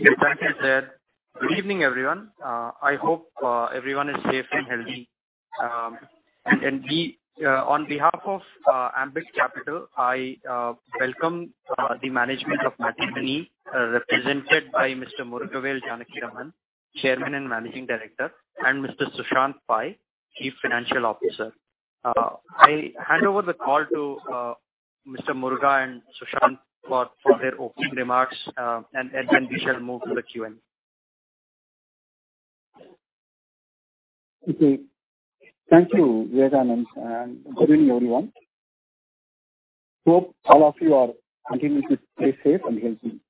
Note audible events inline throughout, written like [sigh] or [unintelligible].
Yes, thank you, sir. Good evening, everyone. I hope everyone is safe and healthy. On behalf of Ambit Capital, I welcome the management of Matrimony, represented by Mr. Murugavel Janakiraman, Chairman and Managing Director, and Mr. Sushanth Pai, Chief Financial Officer. I hand over the call to Mr. Murugavel and Sushanth for their opening remarks. We shall move to the Q&A. Okay. Thank you, Vivekanand, and good evening, everyone. Hope all of you are continuing to stay safe and healthy.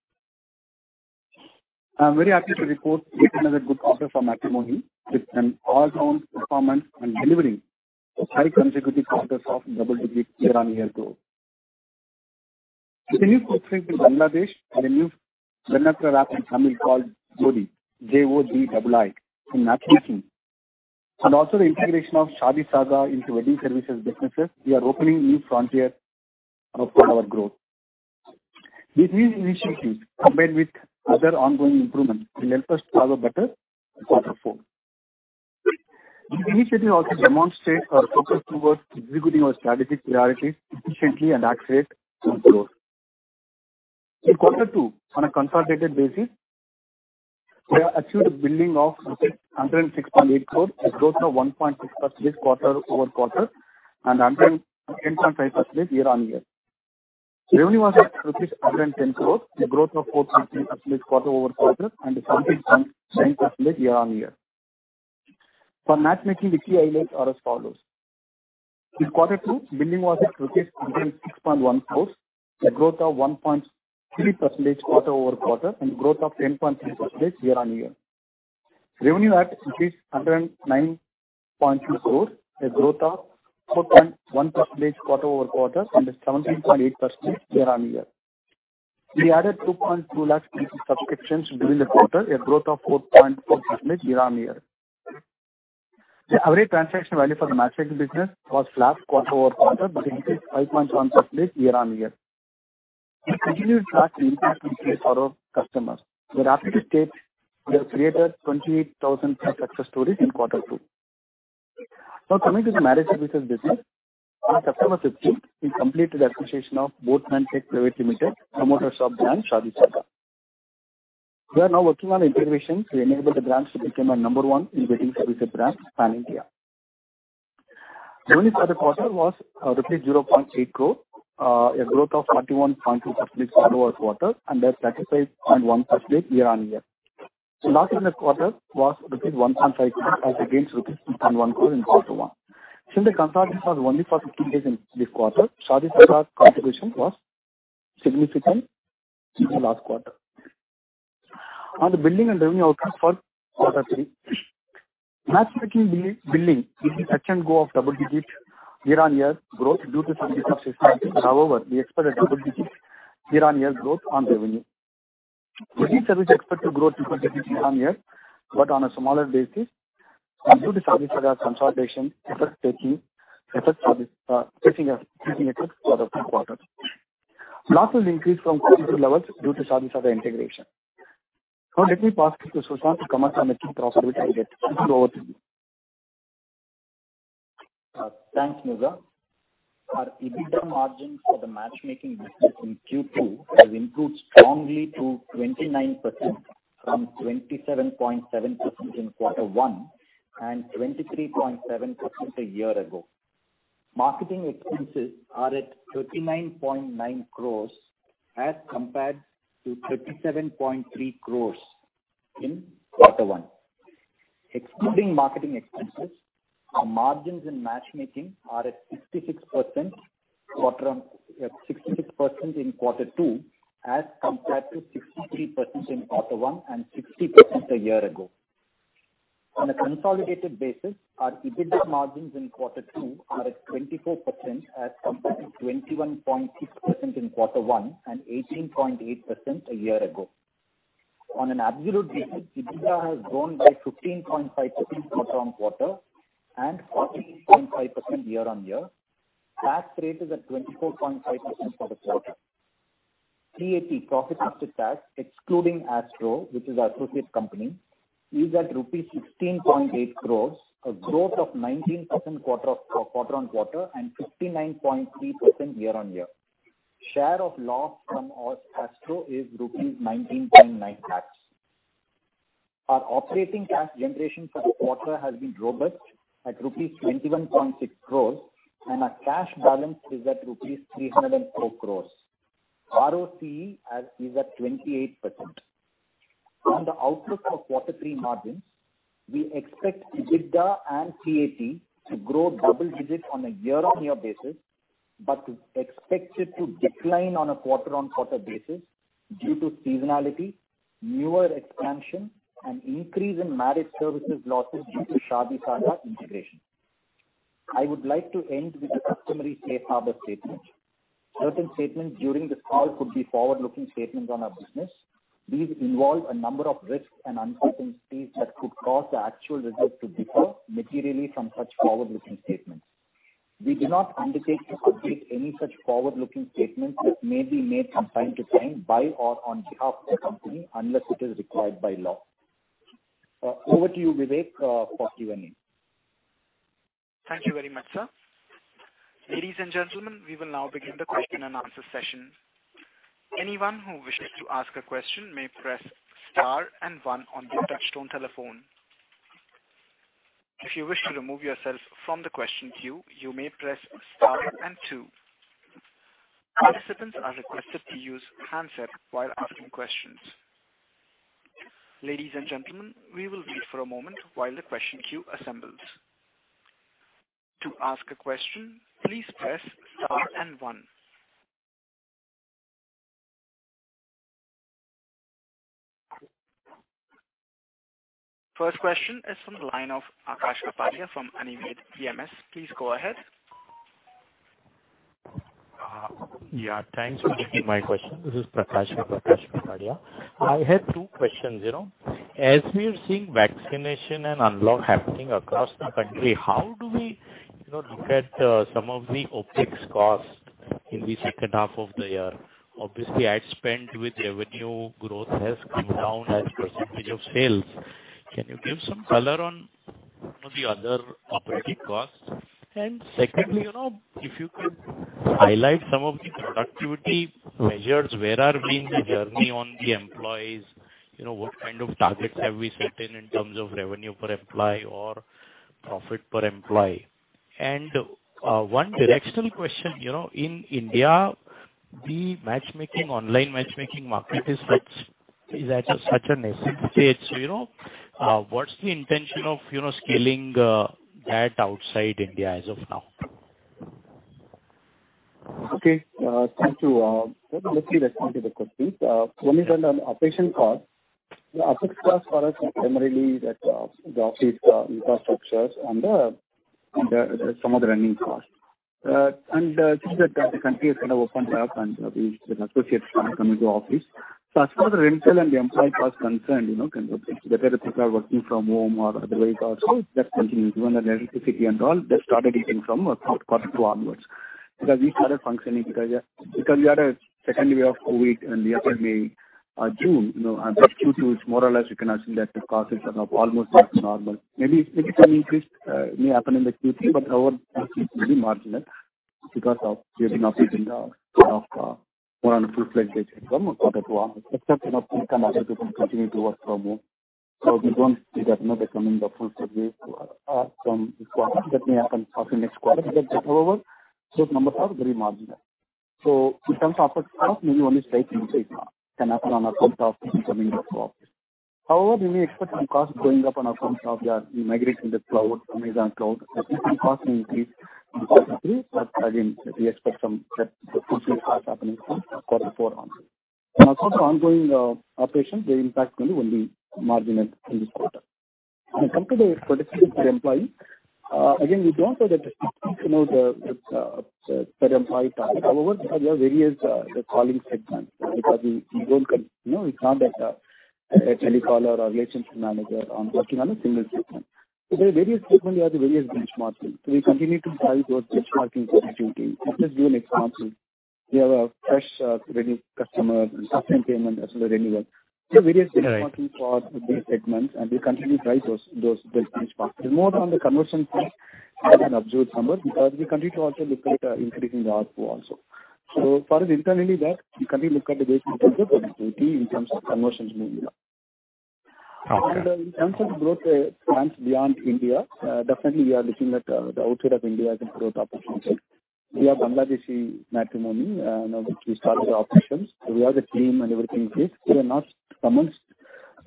I'm very happy to report yet another good quarter for Matrimony with an all-around performance and delivering five consecutive quarters of double-digit year-on-year growth. With the new footprint in Bangladesh and a new Kannada brand and family called Jodii, J-O-D-double I, in matchmaking, and also the integration of ShaadiSaga into wedding services businesses, we are opening new frontiers for our growth. These new initiatives, combined with other ongoing improvements, will help us have a better quarter four. These initiatives also demonstrate our focus towards executing our strategic priorities efficiently and accurately on growth. In quarter two, on a consolidated basis, we have achieved a billing of 106.8 crores, a growth of 1.6% quarter-over-quarter and 110.5% year-on-year. Revenue was at rupees 110 crores, a growth of 4.3% quarter-over-quarter and 17.9% year-on-year. For matchmaking, the key highlights are as follows: In quarter two, billing was at 106.1 crores, a growth of 1.3% quarter-over-quarter and growth of 10.3% year-on-year. Revenue at 109.2 crores, a growth of 4.1% quarter-over-quarter and 17.8% year-on-year. We added 2.2 lakh paying subscriptions during the quarter, a growth of 4.4% year-on-year. The average transaction value for the matchmaking business was flat quarter-over-quarter, but increased 5.1% year-on-year. We continue to track the impact we create for our customers. We're happy to state we have created 28,000+ success stories in quarter two. Now coming to the marriage services business. On September 15th, we completed the acquisition of Boatman Tech Private Limited, promoters of brand ShaadiSaga. We are now working on integration to enable the brands to become our number one in wedding services brands pan-India. Revenue for the quarter was 0.8 crore, a growth of 41.2% quarter-over-quarter and 35.1% year-on-year. Loss in this quarter was rupees 1.5 crores as against rupees 2.1 crore in quarter one. Since the consolidation was only for 15 days in this quarter, ShaadiSaga's contribution was significant in the last quarter. On the billing and revenue outlook for quarter three, matchmaking billing is expected to grow at double-digit year-on-year growth due to some business reasons. However, we expect a double-digit year-on-year growth on revenue. Wedding services expect to grow double-digit year-on-year, but on a smaller base and due to ShaadiSaga consolidation effect taking effect for the third quarter. Loss will increase from quarter two levels due to ShaadiSaga integration. Now let me pass it to Sushanth to comment on the key profitability metrics. Over to you. Thanks, Murugavel. Our EBITDA margins for the matchmaking business in Q2 have improved strongly to 29% from 27.7% in quarter one and 23.7% a year ago. Marketing expenses are at 39.9 crores as compared to 37.3 crores in quarter one. Excluding marketing expenses, our margins in matchmaking are at 66% in quarter two as compared to 63% in quarter one and 60% a year ago. On a consolidated basis, our EBITDA margins in quarter two are at 24% as compared to 21.6% in quarter one and 18.8% a year ago. On an absolute basis, EBITDA has grown by 15.5% quarter-over-quarter and 14.5% year-on-year. Cash rate is at 24.5% for the quarter. PAT, profit after tax, excluding MatchAstro, which is our associate company, is at rupees 16.8 crores, a growth of 19% quarter-on-quarter and 59.3% year-on-year. Share of loss from our MatchAstro is rupees 19.9 lakhs. Our operating cash generation for the quarter has been robust at rupees 21.6 crores, and our cash balance is at rupees 304 crores. ROCE is at 28%. On the outlook for quarter three margins, we expect EBITDA and PAT to grow double digits on a year-on-year basis, but expect it to decline on a quarter-on-quarter basis due to seasonality, newer expansion and increase in marriage services losses due to ShaadiSaga integration. I would like to end with the customary safe harbor statement. Certain statements during this call could be forward-looking statements on our business. These involve a number of risks and uncertainties that could cause the actual results to differ materially from such forward-looking statements. We do not undertake to update any such forward-looking statements that may be made from time to time by or on behalf of the company unless it is required by law. Over to you, Vivek, for Q&A. Thank you very much, sir. Ladies and gentlemen, we will now begin the question and answer session. Anyone who wishes to ask a question may press star and one on their touchtone telephone. If you wish to remove yourself from the question queue, you may press star and two. Participants are requested to use handset while asking questions. Ladies and gentlemen, we will wait for a moment while the question queue assembles. To ask a question, please press star and one. First question is from the line of Prakash Kapadia from Anived PMS. Please go ahead. Yeah, thanks for taking my question. This is Prakash Kapadia. I had two questions, you know. As we are seeing vaccination and unlock happening across the country, how do we, you know, look at some of the OpEx costs in the second half of the year? Obviously, ad spend with revenue growth has come down as a percentage of sales. Can you give some color on, you know, the other operating costs? Secondly, you know, if you could highlight some of the productivity measures, where are we in the journey on the employees? You know, what kind of targets have we set in terms of revenue per employee or profit per employee? One directional question. You know, in India, the matchmaking, online matchmaking market is at such a nascent stage, you know. What's the intention of, you know, scaling that outside India as of now? Okay. Thank you. Let me respond to the questions. First one on operating cost. The operating cost for us is primarily the office infrastructures and some of the running costs. Since the country is kind of opened up and the associates are coming to office. As far as the rental and the employee cost concerned, you know, whether people are working from home or otherwise also that's continuing. Even the electricity and all, that started increasing from quarter two onwards. Because we started functioning because we had a second wave of COVID in the second June. You know, Q2 is more or less you can assume that the costs are now almost back to normal. Maybe some increase may happen in the Q3, but however that will be marginal because we have been operating kind of more on a full-fledged basis from quarter two onwards. Except, you know, few people continue to work from home. We don't see that number becoming the full 100% from this quarter. That may happen possibly next quarter. However, those numbers are very marginal. In terms of OpEx cost, maybe only slight increase can happen on account of people coming to office. However, we may expect some costs going up on account of us migrating to cloud, Amazon cloud. We see cost increase in quarter three, but again we expect that to fully happen in quarter four onwards. As far as the ongoing operation, the impact maybe will be marginal in this quarter. When it comes to the productivity per employee, again, we don't have that specific, you know, the per employee target. However, we have various calling segments. You know, it's not that a telecaller or relationship manager are working on a single segment. There are various segment, we have the various benchmarking. We continue to drive towards benchmarking productivity. Let me give you an example. We have a fresh revenue customer and subsequent payment as well as renewal. Right. Various benchmarking for the segments, and we continue to drive those benchmarks. More on the conversion front than absolute numbers, because we continue to also look at increasing the ARPU also. For us internally that we continue to look at the ways to improve the productivity in terms of conversions mainly. Okay. In terms of growth plans beyond India, definitely we are looking at the outside of India as a growth opportunity. We have BangladeshiMatrimony now which we started the operations. We have the team and everything in place. We have not commenced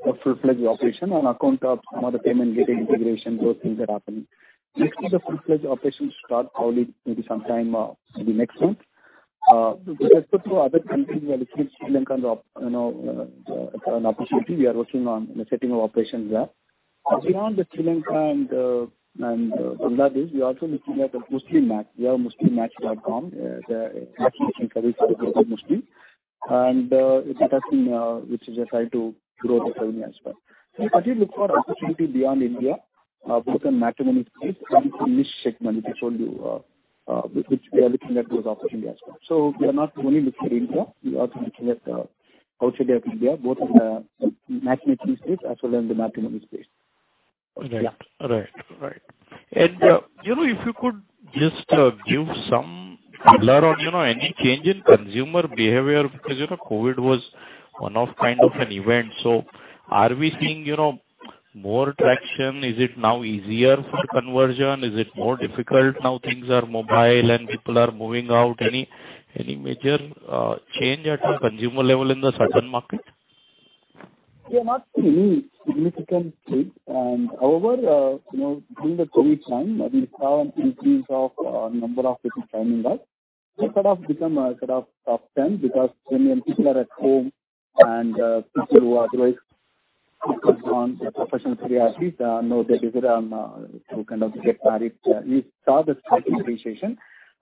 a full-fledged operation on account of some of the payment gateway integration, those things are happening. We expect the full-fledged operation to start probably maybe sometime, maybe next month. With respect to other countries, we are looking at Sri Lankan opportunity. We are working on the setting of operations there. Beyond Sri Lanka and Bangladesh, we are also looking at MuslimMatch. We have muslimmatch.com. The matchmaking service for global Muslim. It's in testing, which we decided to grow this area as well. We actually look for opportunity beyond India, both in matrimony space and niche segment. We showed you which we are looking at those opportunity as well. We are not only looking at India, we are also looking at outside of India, both in the matchmaking space as well in the matrimony space. Right. Yeah. You know, if you could just give some color on, you know, any change in consumer behavior because, you know, COVID was one-off kind of an event. Are we seeing, you know, more traction? Is it now easier for conversion? Is it more difficult now things are mobile and people are moving out? Any major change at a consumer level in the current market? We have not seen any significant change. However, you know, during the COVID time, we saw an increase of number of people signing up. It sort of become a sort of uptrend because generally when people are at home and people who otherwise focused on their professional careers, now they visit to kind of get married. We saw the slight appreciation.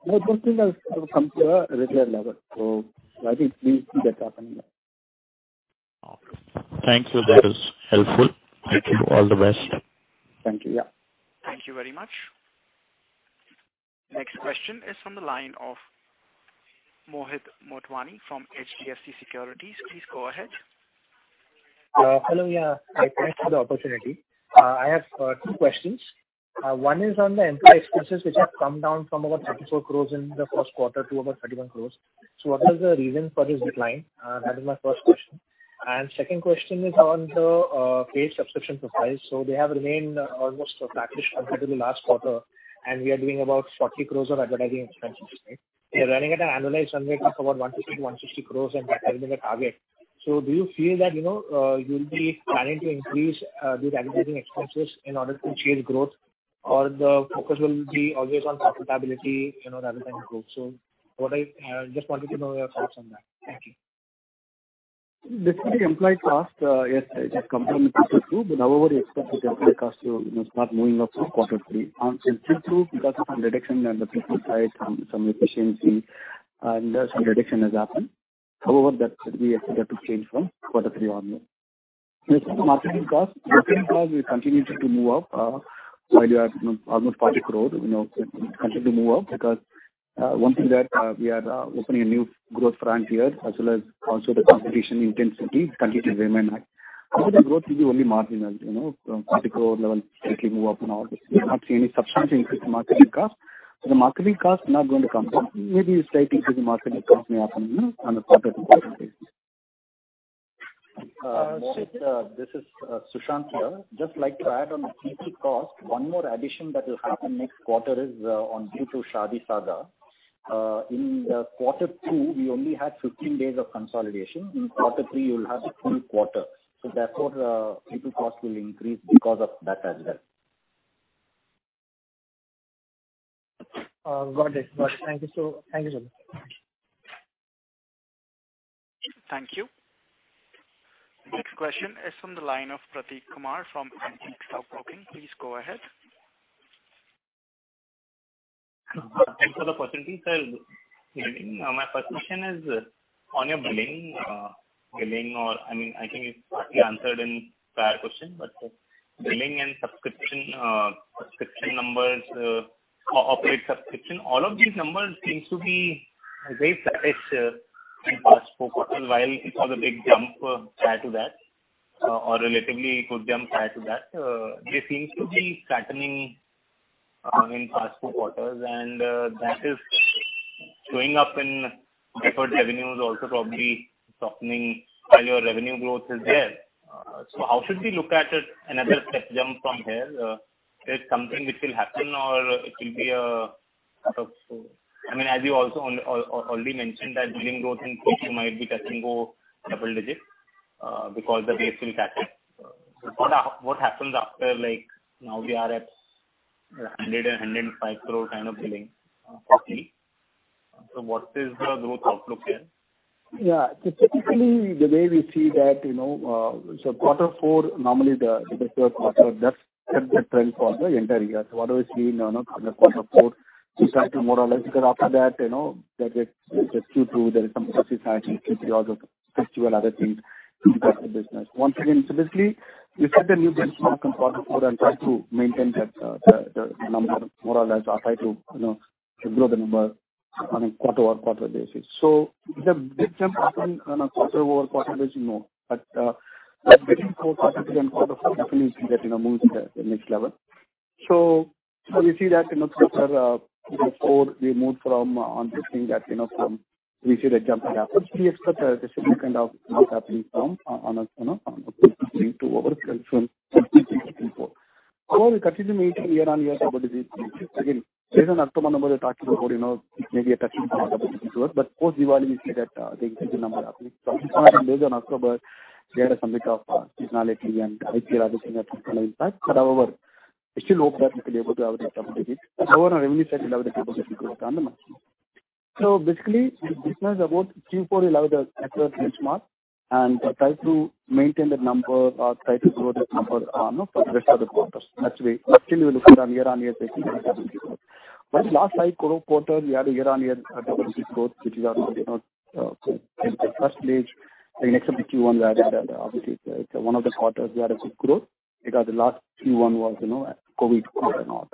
Now those things have sort of come to a regular level. I think we see that happening. Thanks. That is helpful. Thank you. Wish you all the best. Thank you. Yeah. Thank you very much. Next question is from the line of Mohit Motwani from HDFC Securities. Please go ahead. Hello. Thanks for the opportunity. I have two questions. One is on the employee expenses, which have come down from about 34 crore in the first quarter to about 31 crore. What is the reason for this decline? That is my first question. Second question is on the paid subscription profile. They have remained almost flat-ish until the last quarter, and we are doing about 40 crore of advertising expenses, right? We are running at an annualized run rate of about 150 crore-160 crore, and that has been the target. Do you feel that, you know, you'll be planning to increase these advertising expenses in order to chase growth or the focus will be always on profitability, you know, rather than growth? What I just wanted to know your thoughts on that. Thank you. This is the employee cost. Yes, it has come from INR 32 crore. However, we expect the employee cost to, you know, start moving up from quarter three. In Q2, because of some reduction on the people side, some efficiency and some reduction has happened. However, that should be expected to change from quarter three onward. In terms of marketing cost, it will continue to move up. So we are at, you know, almost 40 crore. You know, it will continue to move up because one thing that we are opening a new growth frontier as well as also the competition intensity continues to remain high. However, the growth will be only marginal, you know, from INR 40 crore level, it will move up and all. We're not seeing any substantial increase in marketing cost. The marketing cost is not going to come down. Maybe a slight increase in marketing cost may happen, you know, on a quarter-to-quarter basis. Mohit, this is Sushanth here. I just like to add on the people cost. One more addition that will happen next quarter is due to ShaadiSaga. In quarter two, we only had 15 days of consolidation. In quarter three, we'll have a full quarter, so therefore, people cost will increase because of that as well. Got it. Thank you, sir. Thank you. Next question is from the line of Prateek Kumar from Antique Stock Broking. Please go ahead. Thanks for the opportunity, sir. Good evening. My first question is on your billing or I mean, I think it's partly answered in prior question, but billing and subscription numbers, active subscription, all of these numbers seems to be very flat-ish in past four quarters. While it was a big jump prior to that, they seems to be flattening in past two quarters. That is showing up in deferred revenues also probably softening while your revenue growth is there. How should we look at it? Another step jump from here is something which will happen or it will be a sort of. I mean, as you also already mentioned that billing growth in Q4 might be touching double digits because the base will catch up. What happens after, like now we are at 105 crore kind of billing, roughly. What is the growth outlook here? Yeah. Typically the way we see that, you know, so quarter four, normally the best quarter that sets a trend for the entire year. What does it mean? You know, quarter four, we try to more or less, because after that, you know, there's Q2, there is some festivity season, Q3, all the festival, other things impact the business. Once again, so basically we set a new benchmark in quarter four and try to maintain that, the number more or less or try to, you know, grow the number on a quarter-over-quarter basis. The big jump often on a quarter-over-quarter basis, no. But, getting closer to the quarter four, definitely we get, you know, moves to the next level. We see that in Q4 we moved from understanding that the jump happens. We expect there should be kind of a move happening from Q3 to Q4. We continue to maintain year-on-year double-digit growth. Again, based on October numbers we're talking about, it may be touching double-digit growth. But post-Diwali, we see that the number happening. Based on October, we had somewhat of a seasonality and IPL raging effect kind of impact. However, we still hope that we'll be able to have a double-digit growth. However, on revenue side we'll have a triple-digit growth on the margin. Basically the business about Q4 will have the accurate benchmark and try to maintain that number or try to grow that number, you know, for the rest of the quarters. That's why still we're looking on year-on-year basis double-digit growth. Last five growth quarters, we had a year-on-year double-digit growth, which is actually, you know, first place and except the Q1 we added, obviously it's one of the quarters we had a good growth because the last Q1 was, you know, a COVID quarter and all.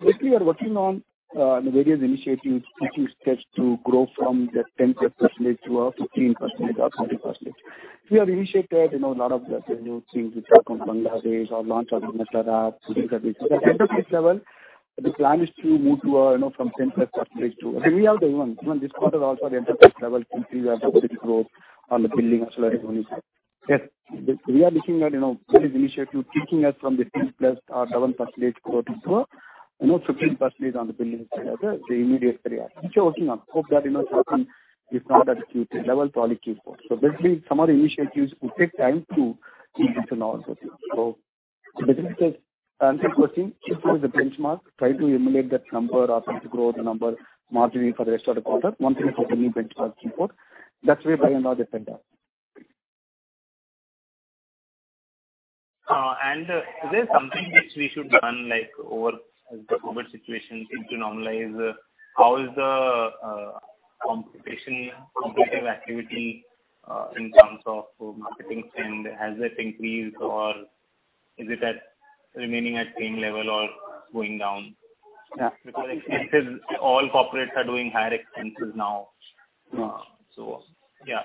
Basically, we are working on the various initiatives, taking steps to grow from that 10%+ to a 15% or 20%. We have initiated, you know, a lot of the new things which are from BangladeshiMatrimony or launch of the MatchAstro apps. At enterprise level, the plan is to move to a, you know, from 10%+ to. I think we have the. Even this quarter also at enterprise level, we have double-digit growth on the billing as well as revenue side. Yes, we are looking at, you know, various initiative taking us from the 10%+ or 11% growth to a, you know, 15% on the billing side as the immediate priority. Which we are working on. Hope that, you know, something is done at Q3 level or Q4. Basically some of the initiatives will take time to implement and all those things. Basically to answer your question, Q4 is the benchmark. Try to emulate that number or try to grow the number marginally for the rest of the quarter. Once again, focus only benchmark Q4. That's the way by and large it stands. Is there something which we should run like over the COVID situation seem to normalize? How is the competitive activity in terms of marketing spend? Has it increased or is it remaining at same level or going down? Yeah. Because expenses, all corporates are doing higher expenses now. Yeah. Yeah.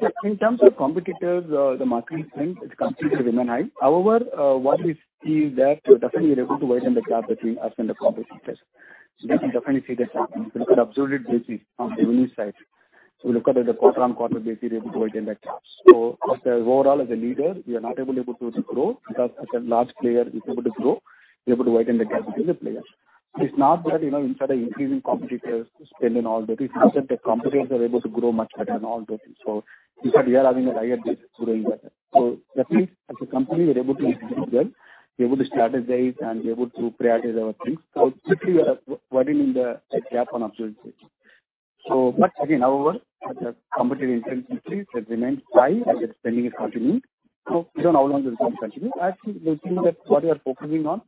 Sure. In terms of competitors, the marketing spend remains completely high. However, what we see is that we're definitely able to widen the gap between us and the competitors. We can definitely see this happening. If you look at an absolute basis on the revenue side, we look at it on a quarter-on-quarter basis, we're able to widen that gap. As the overall leader, we are able to grow because such a large player is able to grow, we are able to widen the gap between the players. It's not that, you know, instead of increasing competitors' spend and all that, it's not that the competitors are able to grow much better and all those things. We said we are having a higher base growing better. Definitely as a company we are able to execute well, we're able to strategize and we're able to prioritize our things. Quickly we are widening the gap on absolute basis. But again, however, the competitive intensity that remains high as the spending is continuing. We don't know how long this will continue. Actually, we think that what we are focusing on,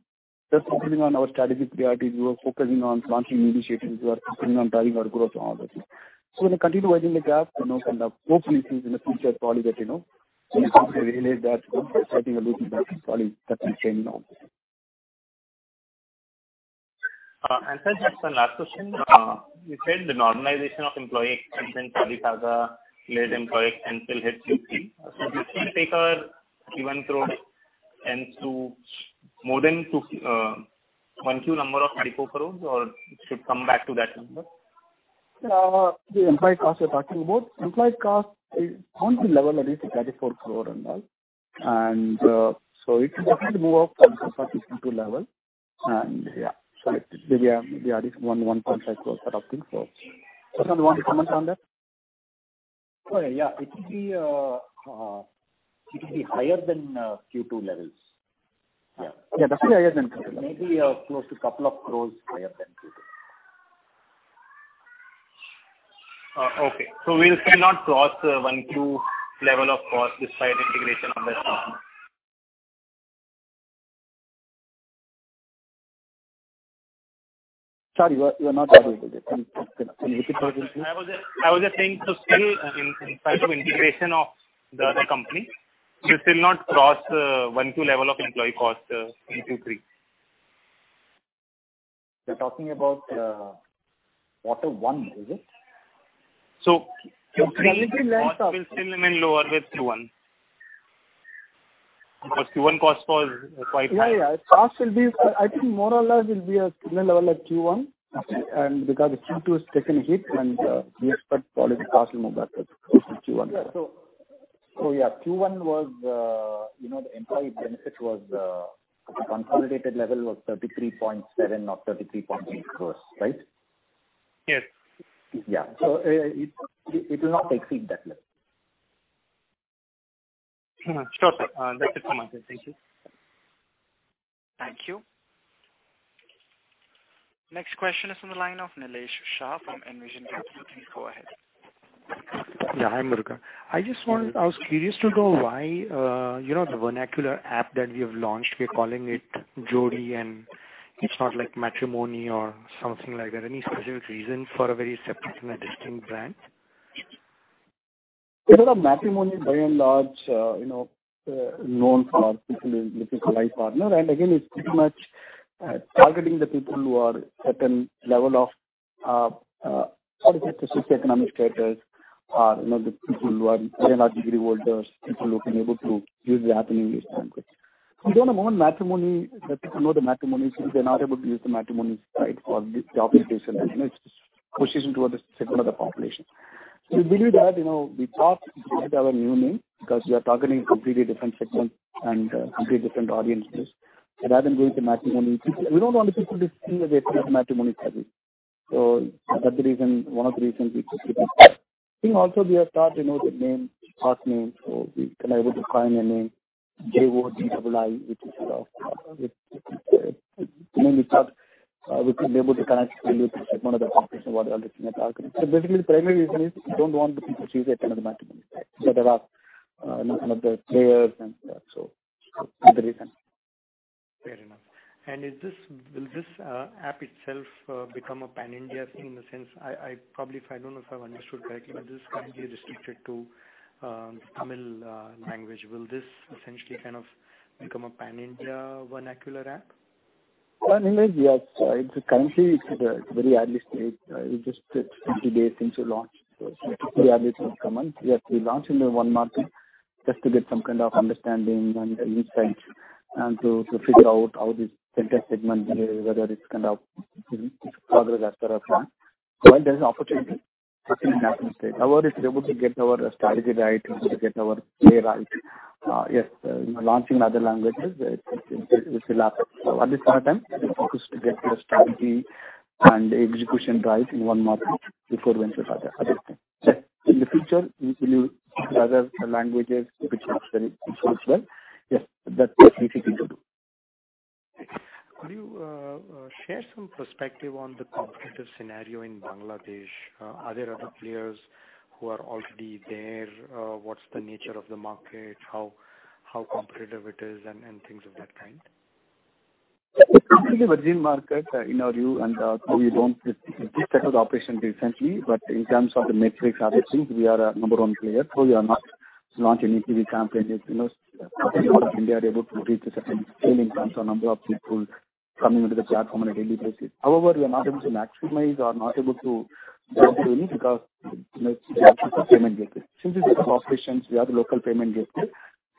just focusing on our strategic priorities. We are focusing on launching new initiatives. We are focusing on driving our growth and all those things. We continue widening the gap, you know, and hopefully things in the future probably get to know. The company realize that, you know, starting a little bit probably that can change now. sir, just one last question. You said the normalization of employee expense in ShaadiSaga-led will hit Q3. This will take a given growth into more than 2x 1Q number of 34 crore or it should come back to that number? The employee cost you're talking about. Employee cost is down to level at least at 34 crore and all. It will definitely move up from 32 level. Yeah, it may be added 1.5 crores sort of thing. Sushanth want to comment on that? Oh, yeah. It will be higher than Q2 levels. Yeah. Yeah, definitely higher than Q2. Maybe, close to a couple of crores higher than Q2. We cannot cross one Q level of cost despite integration of that company. Sorry, you are not audible there. Can you repeat the question? I was just saying, still in spite of integration of the other company, you still not cross one Q level of employee cost in Q3. You're talking about quarter one, is it? Q3. Delivery lines are. Cost will still remain lower than Q1. Because Q1 cost was quite high. Yeah, yeah. Cost will be, I think, more or less a similar level at Q1. Okay. Because the Q2 has taken a hit and we expect probably cost will move back to close to Q1 level. Q1 was, you know, the employee benefit was at a consolidated level 33.7 crores or 33.8 crores, right? Yes. Yeah. It will not exceed that level. Sure, sir. That's it from my side. Thank you. Thank you. Next question is from the line of Nilesh Shah from Envision Capital. Please go ahead. Hi, Murugavel. I was curious to know why, you know, the vernacular app that we have launched, we're calling it Jodii, and it's not like Matrimony or something like that. Any specific reason for a very separate and a distinct brand? Because Matrimony by and large, you know, known for people looking for life partner. Again, it's pretty much, targeting the people who are certain level of, particular socioeconomic status or, you know, the people who are higher degree holders, people who can able to use the app in English language. We don't want Matrimony. The people who know the Matrimony, since they're not able to use the Matrimony site for the job application business, positioned toward the segment of the population. We believe that, you know, we thought to have a new name because we are targeting a completely different segment and, completely different audience base. Rather than going to Matrimony, people we don't want the people to think that they're still at Matrimony category. That's the reason, one of the reasons we took a different name. I think we have thought about the name, you know, so we were able to find a name. J-O-D-I-I, which is, when we start, we can be able to connect really with one of the population what we are looking at targeting. Basically the primary reason is we don't want the people to choose another matrimony site. There are a lot of the players in that's the reason. Fair enough. Will this app itself become a Pan-India thing in a sense? I don't know if I've understood correctly, but this is currently restricted to Tamil language. Will this essentially kind of become a Pan-India vernacular app? Pan-India, yes. It's currently at a very early stage. It's 20 days since we launched. It's too early to comment. Yes, we launched in one market just to get some kind of understanding and insights and to figure out how this segment, whether it's kind of further as per our plan. While there is opportunity, it's in its nascent stage. However, if we're able to get our strategy right, if we're able to get our play right, yes, you know, launching other languages, it will happen. At this point of time, we're focused to get the strategy and execution right in one market before we went to other thing. In the future, we will rather the languages which looks very well, yes, that we think we can do. Share some perspective on the competitive scenario in Bangladesh. Are there other players who are already there? What's the nature of the market? How competitive it is and things of that kind? It's completely a virgin market, in our view, and so we don't recently. In terms of the metrics, other things, we are a number one player. We are not launching any TV campaigns. You know, we are able to reach a certain scale in terms of number of people coming into the platform on a daily basis. However, we are not able to maximize. Mm-hmm. Because payment gateway. Since it's local operations, we have the local payment gateway.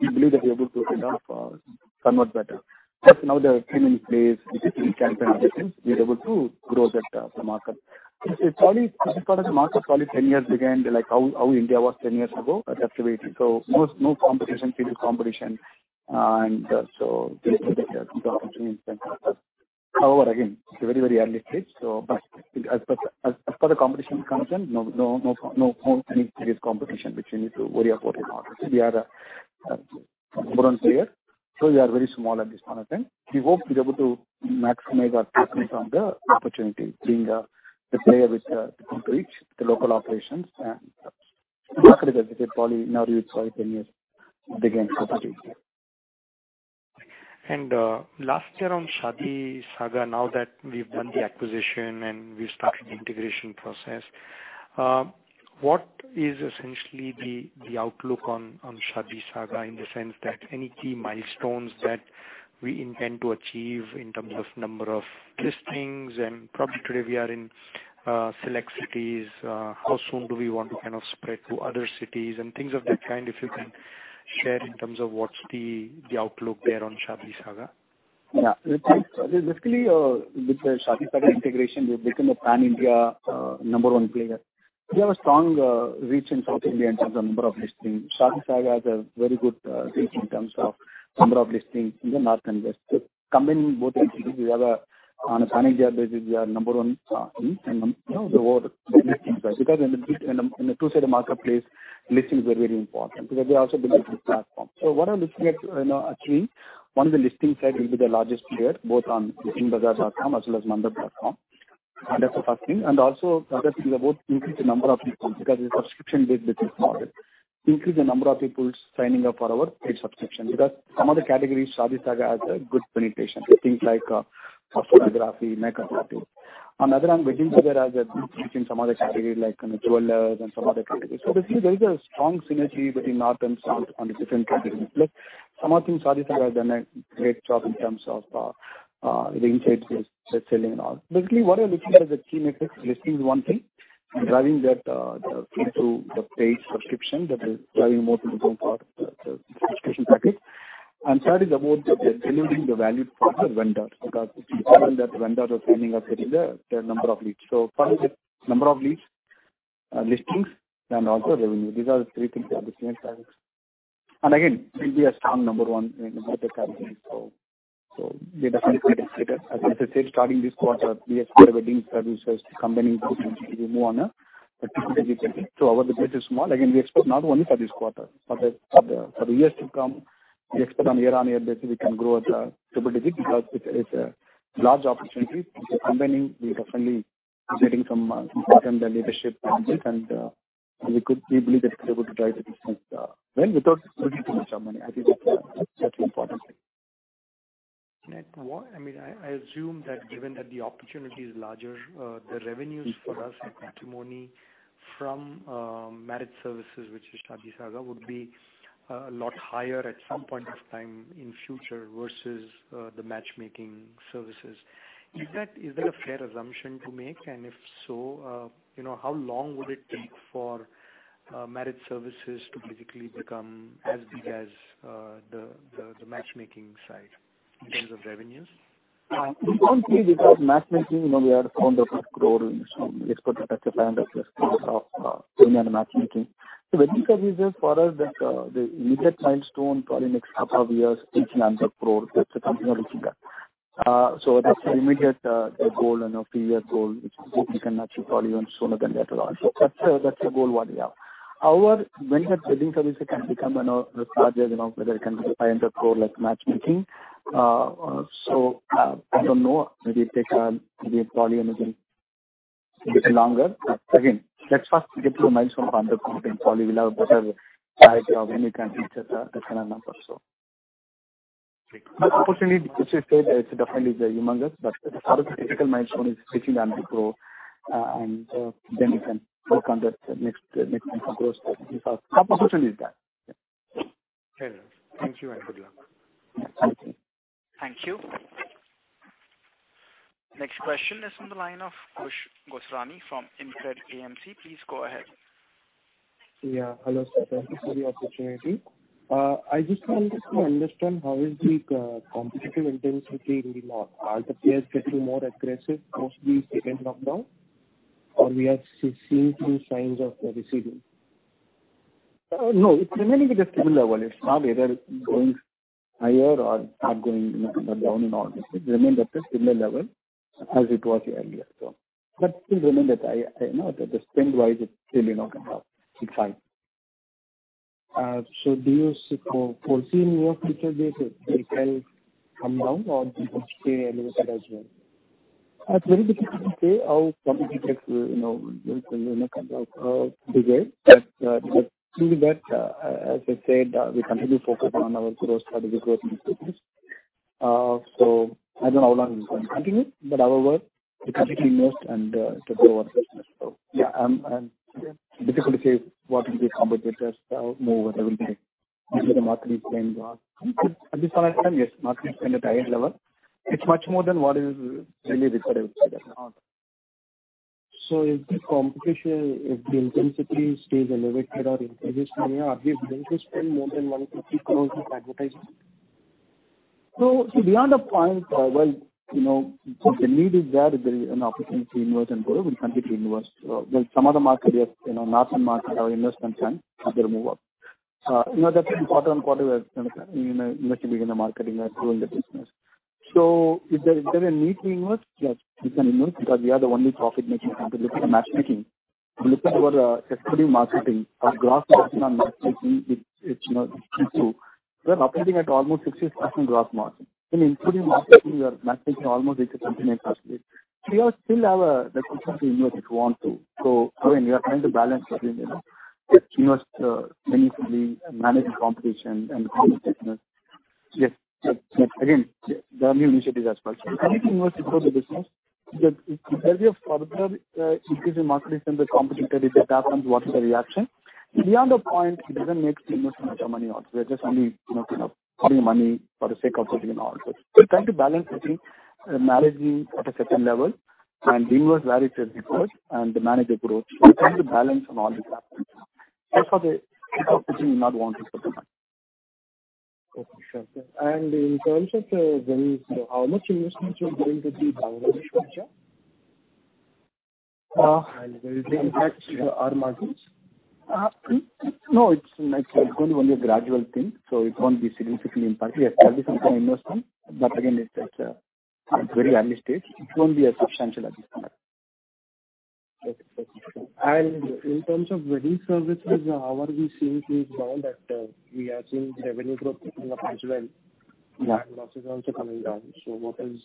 We believe that we're able to convert better. Plus now there are payment ways, digital campaign, other things, we're able to grow that, the market. It's probably market ten years behind, like how India was ten years ago, relatively. Mostly no competition, little competition, and. However, again, it's a very early stage, but as far as the competition is concerned. No any serious competition which we need to worry about or not. We are a player, so we are very small at this point in time. We hope to be able to maximize our presence on the opportunity, being the player with complete local operations and the market is, as I said, probably in our view, it's probably ten years beginning for the. Last year on ShaadiSaga, now that we've done the acquisition and we've started the integration process, what is essentially the outlook on ShaadiSaga in the sense that any key milestones that we intend to achieve in terms of number of listings and probably today we are in select cities. How soon do we want to kind of spread to other cities and things of that kind, if you can share in terms of what's the outlook there on ShaadiSaga? Yeah. Basically, with the ShaadiSaga integration, we've become a pan-India number one player. We have a strong reach in South India in terms of number of listings. ShaadiSaga has a very good reach in terms of number of listings in the north and west. Combining both these cities, on a pan-India basis, we are number one in terms of the overall because in a two-sided marketplace, listings are very important because they also build the platform. What I'm looking at, you know, actually, on the listing side will be the largest player, both on the weddingbazaar.com as well as mandap.com. Also the other thing is about increase the number of people because it's a subscription-based business model. Increase the number of people signing up for our paid subscription because some of the categories ShaadiSaga has a good penetration. Things like, photography, makeup, that thing. Another one, ShaadiSaga has a good reach in some other category like jewelers and some other categories. Basically there is a strong synergy between north and south on the different categories. Plus some of things ShaadiSaga has done a great job in terms of, ring sales, selling and all. Basically, what I'm looking at is the key metrics. Listing is one thing, and driving that into the paid subscription, that is driving more people to go for the subscription package. Third is about building the value for the vendor because it's important that vendor signing up getting the number of leads. First is number of leads, listings and also revenue. These are the three things are the key metrics. Again, we'll be a strong number one in both the categories. They definitely as I said, starting this quarter, we expect wedding services combining both entities, we'll move on a particular. Our base is small. Again, we expect not only for this quarter, but for the years to come, we expect on year-on-year basis we can grow at a double digit because it's a large opportunity. By combining, we definitely getting some [unintelligible] and we believe that we're able to drive the business well without putting too much of money. I think that's the important thing. I mean, I assume that given that the opportunity is larger, the revenues for us at Matrimony from marriage services, which is ShaadiSaga, would be a lot higher at some point of time in future versus the matchmaking services. Is that a fair assumption to make? If so, you know, how long would it take for marriage services to basically become as big as the matchmaking side in terms of revenues? We don't see because matchmaking, you know, we are founder-led core, so we expect that as a brand of Indian matchmaking. Basically the reason for us that the immediate milestone probably next couple of years reaching 100 crore. That's something we're looking at. That's the immediate goal and our three-year goal, which hopefully can achieve probably even sooner than that as well. That's a goal what we have. Our vendor wedding service can become, you know, larger, you know, whether it can be 500 crore like matchmaking. I don't know. Maybe it take maybe probably a little bit longer. Again, let's first get to the milestone of INR 100 crore, then probably we'll have a better clarity of when we can reach at the similar numbers. Great. Unfortunately, as we said, it's definitely humongous. For us, the critical milestone is reaching INR 100 crore, and then we can work on that next set of goals if our proposition is there. Yeah. Fair enough. Thank you and good luck. Thank you. Thank you. Next question is on the line of Kush Goswami from InCred AMC. Please go ahead. Yeah. Hello, sir. Thank you for the opportunity. I just wanted to understand how is the competitive intensity in matrimony? Are the players getting more aggressive post the second lockdown, or we are seeing few signs of receding? No, it's remaining at a similar level. It's not either going higher or not going, you know, down at all. It's remained at a similar level as it was earlier. But still remain at, I know that the spend-wise it's still, you know, it's fine. Do you foresee in your future years that they can come down or they could stay elevated as well? It's very difficult to say how competitive, you know, today. Through that, as I said, we continue to focus on our growth strategy. I don't know how long this is gonna continue, but however, we continue to invest and to grow our business. Yeah, difficult to say what will be the competitors' move or everything. Even the marketing spend. At this point of time, yes, marketing spend at higher level. It's much more than what is really required outside at all. If the competition, if the intensity stays elevated or increases linearly, are we going to spend more than 150 crore in advertising? Beyond a point, you know, if the need is there, if there is an opportunity to invest and grow, we'll continue to invest. There's some other market areas, you know, nascent market or investment can either move up. You know, that's important quarter where, you know, investing in the marketing and growing the business. If there's a need to invest, yes, we can invest because we are the only profit-making company. Looking at matchmaking. If you look at our executing marketing or gross margin on matchmaking, it's, you know, two. We're operating at almost 60% gross margin. Including marketing, we are matchmaking almost 80% plus. We still have the potential to invest if we want to. Again, we are trying to balance everything, you know. Invest meaningfully, manage the competition and grow the business. Yes. Again, there are new initiatives as well. We need to invest to grow the business. If there is a further increase in marketing spend with competitor, if that happens, what is the reaction? Beyond that point, it doesn't make too much money also. We're just only, you know, putting money for the sake of putting it all. We're trying to balance between managing at a certain level and invest where it is required and manage the growth. It's kind of a balance on all these aspects. That's why the opportunity not wanting to put the money. Okay, sure. In terms of how much investments you're going to do Uh. Will they impact our margins? No, it's going to be a gradual thing, so it won't be significantly impactful. Yes, there'll be some investment. Again, it's at a very early stage. It won't be as substantial at this point. Okay. In terms of wedding services, how are we seeing things now that we are seeing revenue growth picking up as well and losses also coming down. What is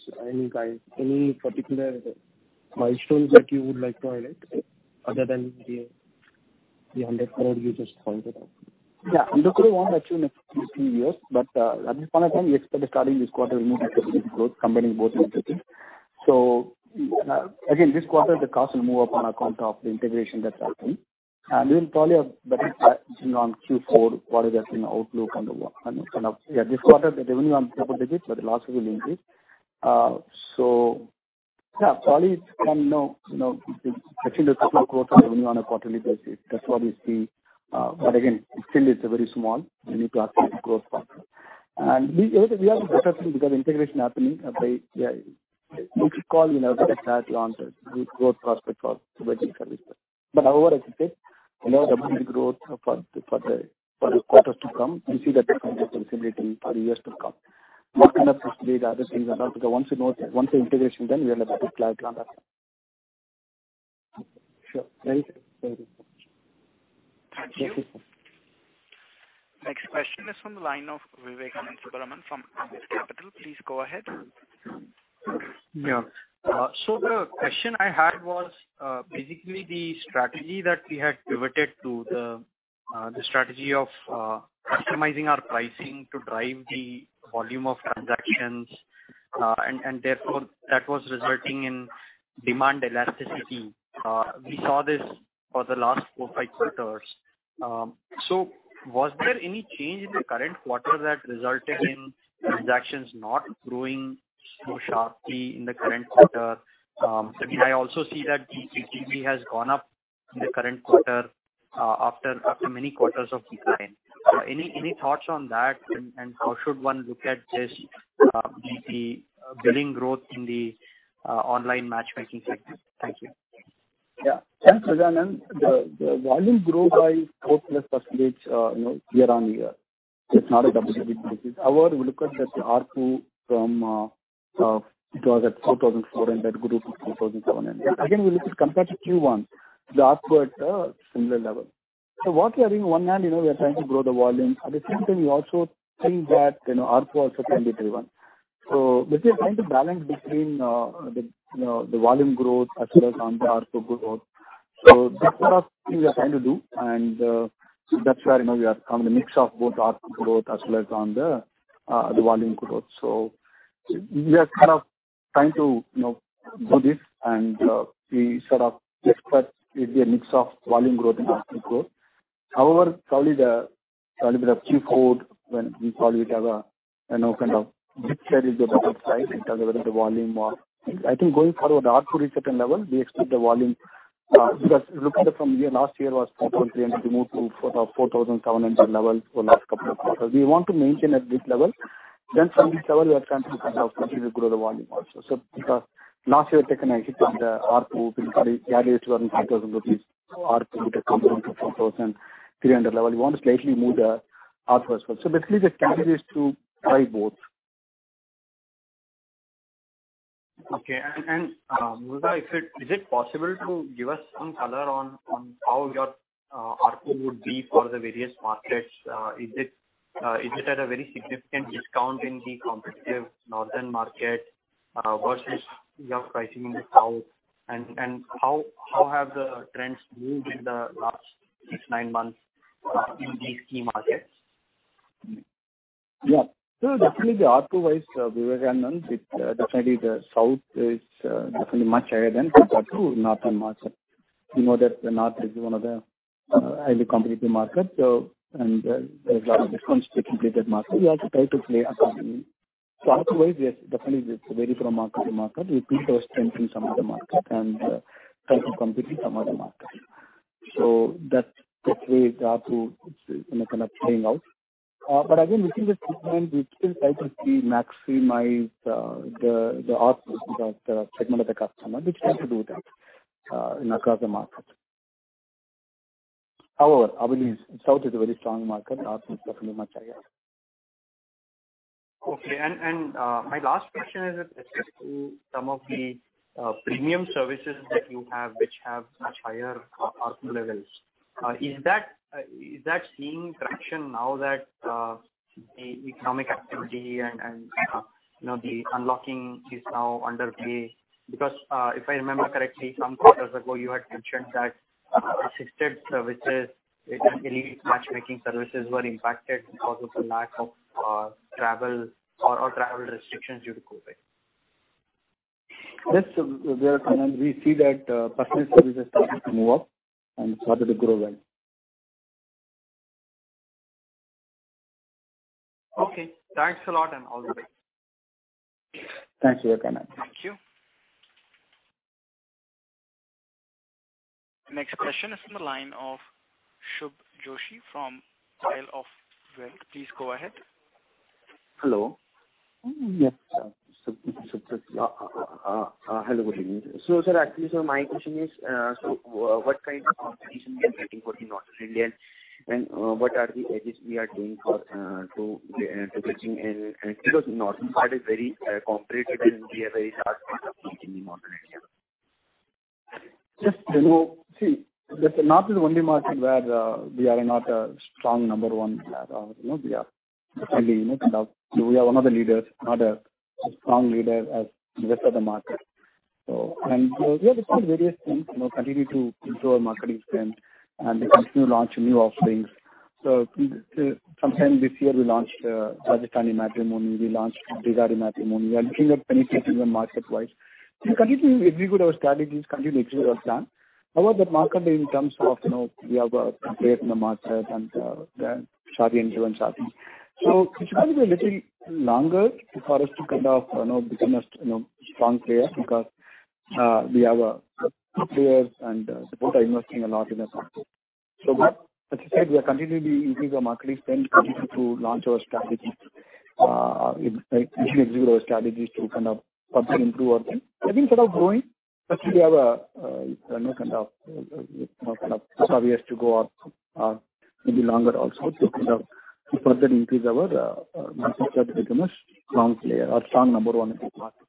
any particular milestones that you would like to highlight other than the 100 crore you just pointed out? We look at one actually next two, three years. At this point of time, we expect starting this quarter we will see growth combining both entities. Again, this quarter the cost will move up on account of the integration that's happening. We'll probably have better clarity on Q4, what is actually the outlook. This quarter the revenue on triple digits, but the losses will increase. Probably it's from, you know, actually the quarter growth on revenue on a quarterly basis. That's what we see. Again, it still is a very small. We need to assess the growth path. We are cautious because integration happening. Next call, you know, we'll get a clear launch growth prospect for wedding services. However, as you said, you know, the revenue growth for the quarters to come, we see that the kind of visibility for years to come. What kind of strategy the other things are not. Because once you know, once the integration, then we are in a better place to answer. Sure. Very good. Very good. Thank you. Yes, sir. Next question is from the line of Vivekanand Subbaraman from Ambit Capital. Please go ahead. Yeah. The question I had was, basically the strategy that we had pivoted to, the strategy of customizing our pricing to drive the volume of transactions, and therefore that was resulting in demand elasticity. We saw this for the last four, five quarters. Was there any change in the current quarter that resulted in transactions not growing so sharply in the current quarter? I mean, I also see that the TPV has gone up in the current quarter, after many quarters of decline. Any thoughts on that and how should one look at this, the billing growth in the online matchmaking segment? Thank you. Yeah. Thanks, Subbaraman. The volume grew by 4%, year-on-year. It's not a double-digit growth. However, we look at the ARPU. It was at 4,400, grew to 3,700. Again, compared to Q1, the ARPU is at a similar level. What we are doing on one hand, you know, we are trying to grow the volume. At the same time, we also think that, you know, ARPU also can be driven. Basically trying to balance between the volume growth as well as the ARPU growth. That's what we are trying to do. That's where, you know, we are on the mix of both ARPU growth as well as the volume growth. We are kind of trying to, you know, do this and we sort of expect it be a mix of volume growth and ARPU growth. However, probably by Q4 when we probably have a, you know, kind of mix there is a better sense in terms of whether the volume or. I think going forward, the ARPU is certain level. We expect the volume, because looking at from year, last year was 4,300 move to 4,700 level for last couple of quarters. We want to maintain at this level. Then from this level, we are trying to kind of continue to grow the volume also. Because last year taken a hit on the ARPU, we probably average around INR 5,000 ARPU, but it comes down to INR 4,300 level. We want to slightly move the ARPU as well. Basically the strategy is to drive both. Murugavel, is it possible to give us some color on how your ARPU would be for the various markets? Is it at a very significant discount in the competitive northern market versus your pricing in the south? How have the trends moved in the last six to nine months in these key markets? Yeah. Definitely the ARPU-wise, Vivekanand, it definitely the south is definitely much higher than compared to northern market. We know that the north is one of the highly competitive market, so and there's a lot of discounts to compete that market. We also try to play accordingly. ARPU-wise, yes, definitely it vary from market to market. We keep our strength in some of the market and try to compete in some other markets. That's the way the ARPU is, you know, kind of playing out. But again, within this segment, we still try to maximize the ARPU of the segment of the customer. We try to do that, you know, across the markets. However, I believe south is a very strong market and ARPU is definitely much higher. Okay. My last question is with respect to some of the premium services that you have which have much higher ARPU levels. Is that seeing traction now that the economic activity and you know, the unlocking is now underway? Because if I remember correctly, some quarters ago you had mentioned that assisted services and elite matchmaking services were impacted because of the lack of travel or travel restrictions due to COVID. Yes, Vivekanand. We see that personal services starting to move up and started to grow well. Okay. Thanks a lot, and all the best. Thanks, Vivekanand. Thank you. Next question is from the line of Shubh Joshi from Isle of Wealth. Please go ahead. Hello. Yes. Shubh Joshi. Hello, good evening. Sir, actually, my question is, what kind of competition we are getting in North India, and what are the edges we are doing to penetrate, because northern part is very competitive and we have a very small part of penetrating in northern India. You know, see the North is the only market where we are not a strong number one at all. You know, we are definitely, you know, kind of we are one of the leaders, not a strong leader as the rest of the market. We have to try various things, you know, continue to improve our marketing spend and to continue launch new offerings. Sometime this year we launched RajasthaniMatrimony, we launched GujaratiMatrimony. We are looking at penetrating the market-wise. We're continuing, if we go to our strategies, continue to execute our plan. However, that market in terms of, you know, we have a player in the market and the Shaadi and Jeevansathi. It's gonna be a little longer for us to kind of, you know, become a, you know, strong player because we have top players and they both are investing a lot in that market. But as you said, we are continually increasing our marketing spend, continuing to launch our strategies, execute our strategies to kind of further improve our thing. I think kind of growing, especially we have a, you know, kind of, you know, kind of five years to go or, maybe longer also to kind of further increase our market share to become a strong player or strong number one in that market.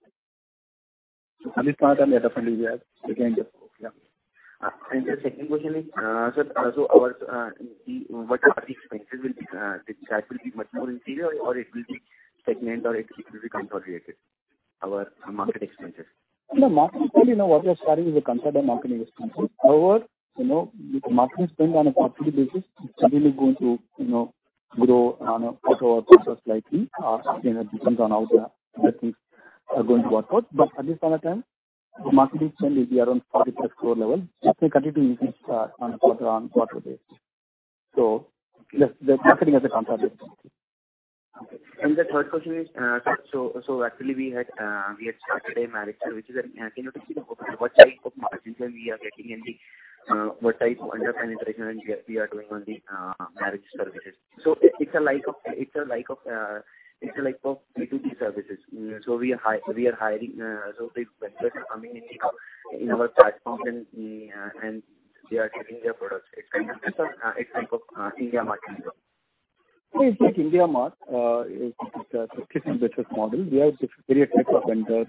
At this point in time definitely we are again, yeah. The second question is, sir, so our what the expenses will be? That will be much more in future or it will be segmented or it will be consolidated, our marketing expenses? No, marketing probably, you know, what we are starting is a considerable marketing expense. You know, with the marketing spend on a quarterly basis, it's certainly going to, you know, grow on a quarter-over-quarter slightly, you know, depends on how the things are going to work out. At this point of time, the marketing spend will be around 40+ crore level. That will continue to increase on a quarter-over-quarter basis. Yes, the marketing has a considerable spend. Okay. The third question is, sir, actually we had started a marriage service. Can you please tell what type of margins we are getting and what type of under penetration we are doing on the marriage services? It's like a B2B services. We are hiring, so the vendors are coming in our platform and they are selling their products. It's kind of a type of IndiaMART as well. Yeah, it's like IndiaMART. It's a subscription business model. We have various types of vendors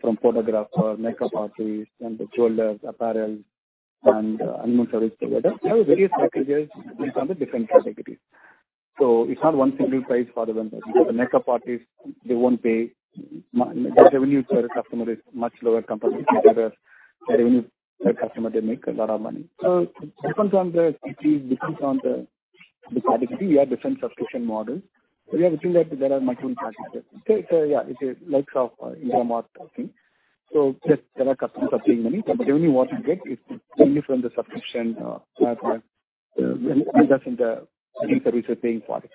from photographers, makeup artists and jewelers, apparel and meal service provider. We have various packages based on the different categories. It's not one single price for the vendor. Because the makeup artists, their revenue per customer is much lower compared to each other. Revenue per customer, they make a lot of money. It depends on the category. We have different subscription models. Yeah, within that there are multiple packages. Yeah, it's like the likes of IndiaMART thing. Just there are customers paying money, but the only thing we get is mainly from the subscription platform. Then only that's in the paying services are paying for it.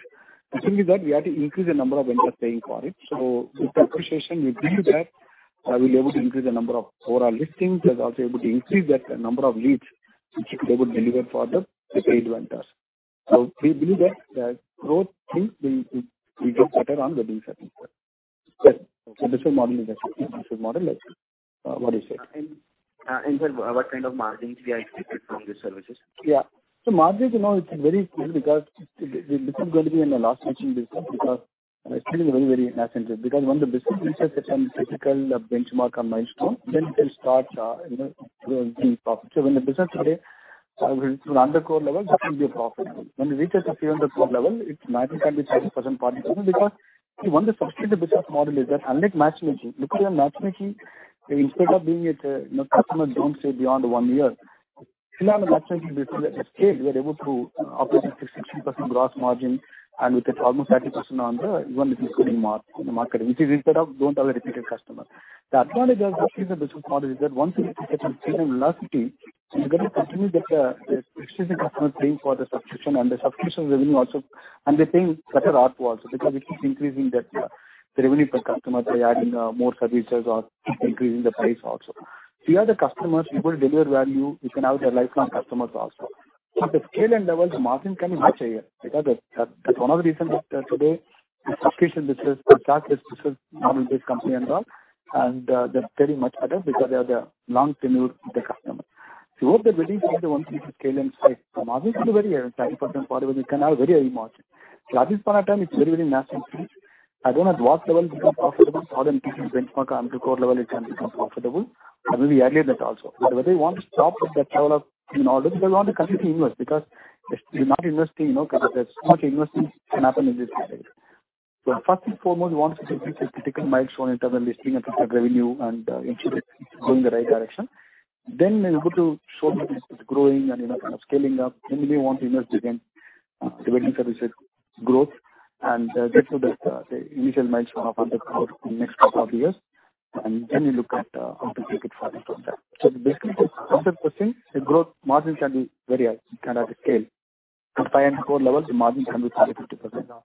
The thing is that we have to increase the number of vendors paying for it. With the appreciation, we believe that we'll be able to increase the number of overall listings. That's also able to increase that number of leads which we'll be able to deliver for the paid vendors. We believe that the growth things will do better on the billing side. Yes. This whole model is actually like this. What is it? What kind of margins we are expected from these services? Yeah. Margins, you know, it's very cool because this is gonna be in the last matching business because it's still very, very nascent. Because when the business reaches a certain critical benchmark or milestone, then it will start, you know, growing profit. When the business today will reach to the hundred crore level, that will be a profit. When it reaches a few hundred crore level, its margin can be 30%, 40%. Because, see, when the subscription business model is there, unlike matchmaking, because in matchmaking, instead of being at, you know, customers don't stay beyond one year. Still on the matchmaking business scale, we are able to operate at 16% gross margin, and with it almost 30% on the, even the marketing, which instead don't have a repeated customer. The advantage of the subscription model is that once you get a certain scale and velocity, you're gonna continue to get the existing customer paying for the subscription, and the subscription revenue also. They're paying better ARPU also because it keeps increasing the revenue per customer by adding more services or increasing the price also. To the customers, we will deliver value. We can have them as lifelong customers also. At the scale and levels, the margins can be much higher because that's one of the reasons that today the subscription business, the SaaS business model-based company and all, they're very much better because they have long-tenured customers. Hopefully, the business is the one to reach the scale and size. The margins will be very high, 50%, 40%. We can have very high margin. At this point of time it's very, very nascent phase. I don't know at what level it become profitable. Other people benchmark under core level, it can become profitable, or maybe earlier than that also. Whether you want to stop at that level or not, because we want to continue to invest because if you're not investing, you know, because there's so much investments can happen in this space. First and foremost, we want to reach a critical milestone in terms of listing and revenue and ensure that it's going in the right direction. We're able to show that it's growing and, you know, kind of scaling up, we want to invest again, wedding services growth and get to the initial milestone of under core in next couple of years. We look at how to take it further from there. Basically it's under 1%, the growth margins can be very high. We can have the scale. Under INR 5 crore levels, the margin can be 30%-50%.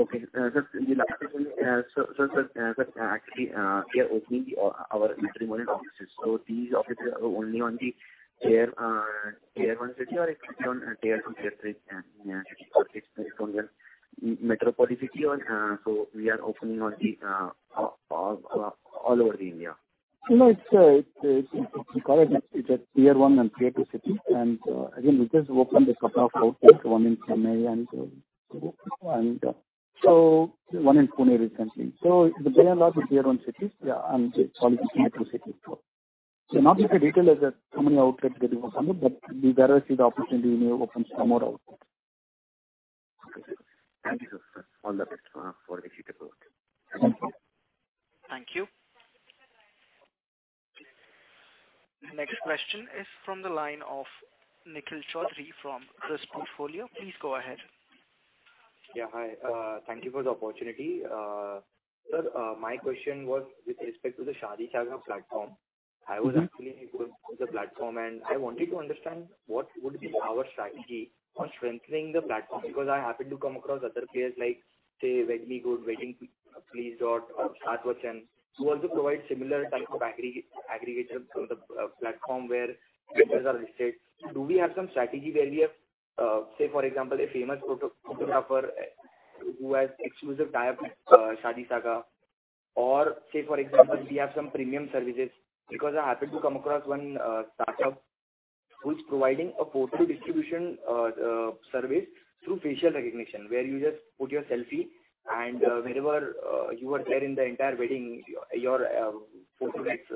Okay. Just the last question. Sir, actually, we are opening our matrimony offices. These offices are only on the tier one city or it could be on tier two, tier three metropolitan city or we are opening on the all over India. You know, we call it a tier one and tier two city. Again, we just opened a set of 4 cities, one in Chennai and one in Pune recently. They are all the tier one cities. Yeah, it's all the tier two cities as well. Not just about how many outlets we are opening, but wherever we see the opportunity, we may open some more outlets. Okay, sir. Thank you, sir. All the best for the future growth. Thank you. Thank you. Next question is from the line of Nikhil Chowdhary from Kriis Portfolio. Please go ahead. Yeah. Hi, thank you for the opportunity. Sir, my question was with respect to the ShaadiSaga platform. Mm-hmm. I was actually going through the platform, and I wanted to understand what would be our strategy on strengthening the platform. Because I happen to come across other players like, say, WedMeGood, WeddingPlz, or ShaadiWish, who also provide similar type of aggregator, you know, the platform where vendors are listed. Do we have some strategy where we have, say for example, a famous photographer who has exclusive tie-up, ShaadiSaga? Or say for example, we have some premium services. Because I happen to come across one startup who is providing a photo distribution service through facial recognition, where you just put your selfie and, wherever you are there in the entire wedding, your photo gets,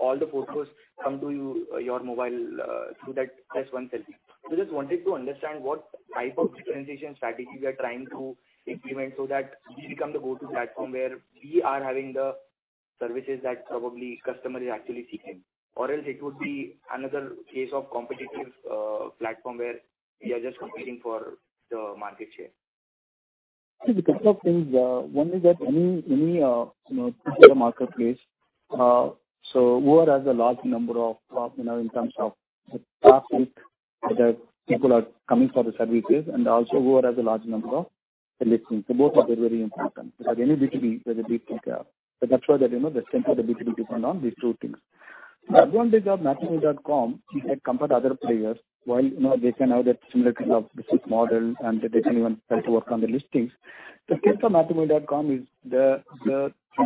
all the photos come to you, your mobile, through that, just one selfie. Just wanted to understand what type of differentiation strategy we are trying to implement so that we become the go-to platform where we are having the services that probably customer is actually seeking. It would be another case of competitive platform where we are just competing for the market share. See, there are a couple of things. One is that any you know digital marketplace so whoever has a large number of you know in terms of the traffic that people are coming for the services and also whoever has a large number of listings. So both are very, very important. Because any B2B there's a big thing here. That's why you know the strength of the B2B depend on these two things. The advantage of matrimony.com if you compare to other players you know they can have that similar kind of business model and they can even try to work on the listings the strength of matrimony.com is the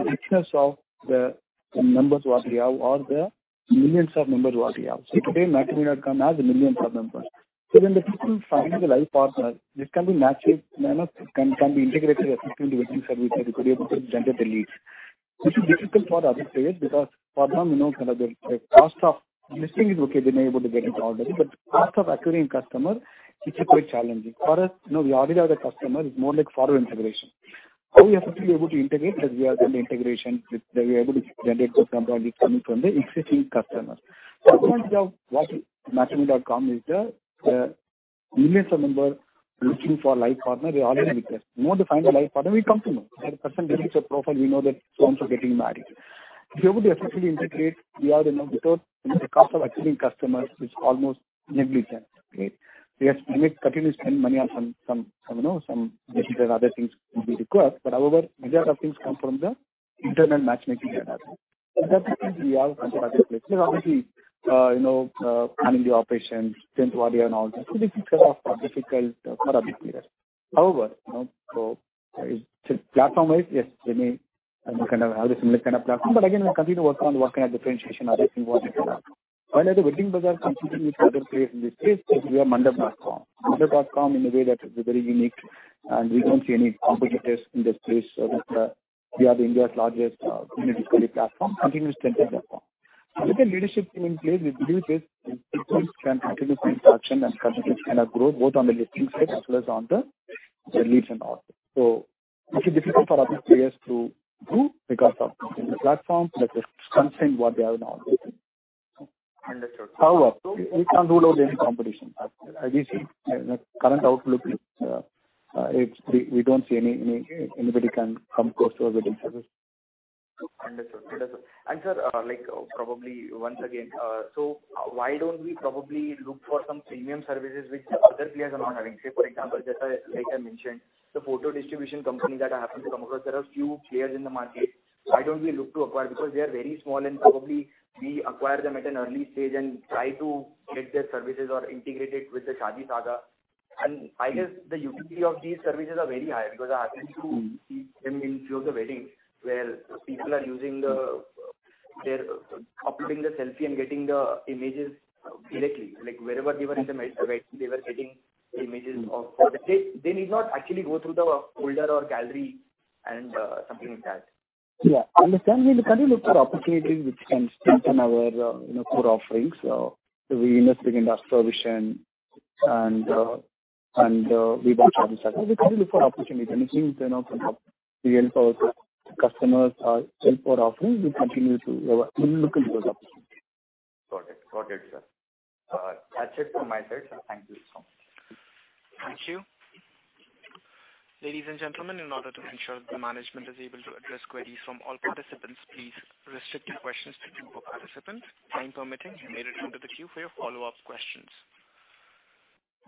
richness of the members who are there or the millions of members who are there. See, today matrimony.com has millions of members. When the people finding a life partner, this can be matched, you know, can be integrated effectively with the service so we could be able to generate the leads. This is difficult for other players because for them, you know, kind of the cost of listing is okay. They may be able to get it already. Cost of acquiring customer is a bit challenging. For us, you know, we already have the customer, it's more like forward integration. How we are effectively able to integrate because we have done the integration with. We are able to generate good number of leads coming from the existing customers. The advantage of what matrimony.com is the millions of member looking for life partner, they're already with us. We want to find a life partner, we come to know. That person creates a profile, we know that he wants to get married. If you're able to effectively integrate, we are, you know, without, you know, the cost of acquiring customers is almost negligible. Right? We have to maybe continuously spend money on some, you know, some digital other things will be required. However, majority of things come from the internal matchmaking data. That's the thing we have compared to other players. There's obviously, you know, running the operations, Tamil Nadu and all this. This is kind of difficult for other players. However, you know, platform-wise, yes, we may have a kind of, have a similar kind of platform, but again, we're continuing to work on differentiation, other things, whatever. While at the WeddingBazaar competing with other players in this space, we have mandap.com. mandap.com in a way that is very unique, and we don't see any competitors in that space. That we are India's largest community platform, consumption platform. With the leadership team in place, we believe this can continue the interaction and continue to kind of grow both on the listing side as well as on the leads and all. It's difficult for other players to grow because of the platform that is constrained by what they have in all this. Understood. However, we can't rule out any competition. As we see in the current outlook, we don't see anybody can come close to our wedding service. Understood. Sir, like, probably once again, so why don't we probably look for some premium services which the other players are not having? Say, for example, just like I mentioned, the photo distribution company that I happen to come across, there are few players in the market. Why don't we look to acquire? Because they are very small, and probably we acquire them at an early stage and try to get their services or integrate it with the ShaadiSaga. I guess the utility of these services are very high because I happen to see them in few of the weddings where people are using. They're uploading the selfie and getting the images directly. Like, wherever they were in the wedding, they were getting images of. They need not actually go through the folder or gallery and something like that. Yeah. Understand. We will continue to look for opportunities which can strengthen our, you know, core offerings. We invest within our solution and we watch all this stuff. We continue to look for opportunity. Anything, you know, can help our customers, help our offering, we continue to look into those opportunities. Got it. Got it, sir. That's it from my side, sir. Thank you so much. Thank you. Ladies and gentlemen, in order to ensure the management is able to address queries from all participants, please restrict your questions to two per participant. Time permitting, you may return to the queue for your follow-up questions.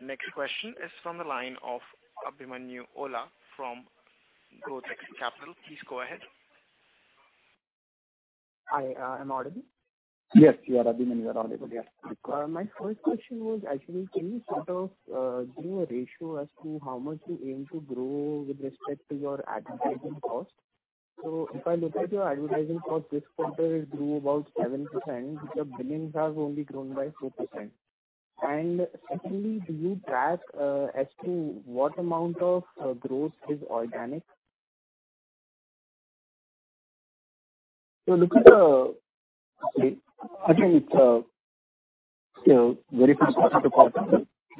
Next question is from the line of Abhimanyu Vola from Growth Capital. Please go ahead. Hi. Am I audible? Yes, you are, Abhimanyu. You are audible. Yes. My first question was actually can you sort of give a ratio as to how much you aim to grow with respect to your advertising cost? If I look at your advertising cost this quarter, it grew about 7%, but billings have only grown by 4%. Secondly, do you track as to what amount of growth is organic? Actually, I think it's, you know, very difficult to call.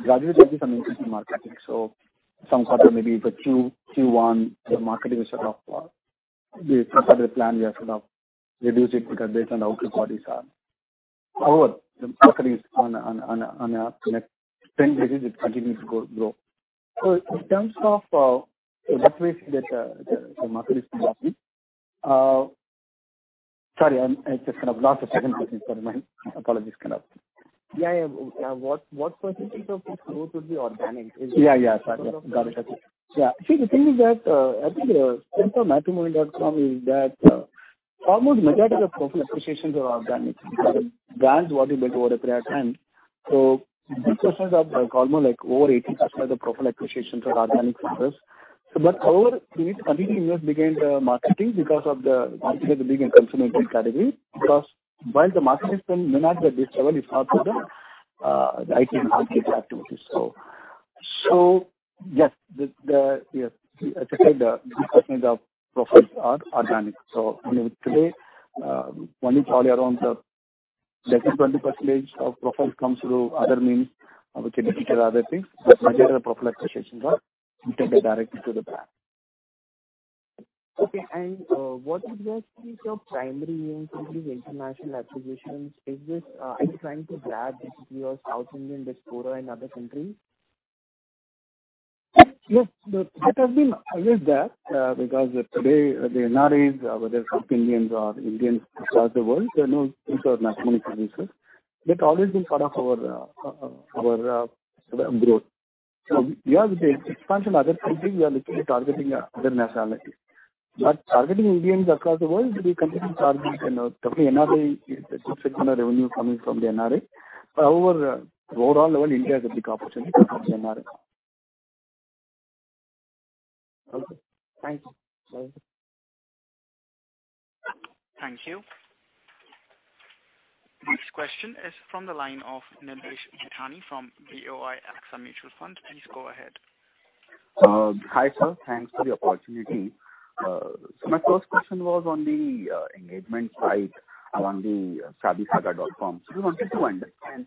Gradually there is an increase in marketing. Some quarter, maybe the Q1, the marketing is sort of we sort of plan. We have sort of reduced it because based on the output qualities are. However, the marketing is on a spend basis, it continues to grow. In terms of what ways that the market is growing? Sorry, I just kind of lost the second question. Sorry, my apologies kind of. Yeah, yeah. What percentage of this growth would be organic? Is it- Yeah. Got it. Yeah. See, the thing is that, I think the strength of matrimony.com is that, almost majority of profile acquisitions are organic because brands want to build over a period of time. This questions are almost like over 80% of the profile acquisitions are organic for us. However, we need to continue invest behind the marketing because of the, obviously the big and consuming category, because while the marketing spend may not be at this level, it's also the, IT and activity. Yes, I'd say the 80% of profiles are organic. Only today, only probably around, less than 20% of profiles comes through other means, which is digital, other things, but majority of the profile acquisitions are integrated directly to the brand. Okay. What exactly is your primary aim for these international acquisitions? Is this, are you trying to grab basically your South Indian diaspora in other countries? It has been always there, because today the NRIs, whether South Indians or Indians across the world, they know these are matrimony services. That always been part of our sort of growth. Yeah, with the expansion in other countries, we are looking at targeting other nationalities. Targeting Indians across the world, we continue to target, you know, definitely NRI. It's a significant revenue coming from the NRI. However, overall level, India is a big opportunity for NRI. Okay. Thank you. Welcome. Thank you. Next question is from the line of Nilesh Jethani from BOI AXA Mutual Fund. Please go ahead. Hi, sir. Thanks for the opportunity. My first question was on the engagement side around the shaadisaga.com. We wanted to understand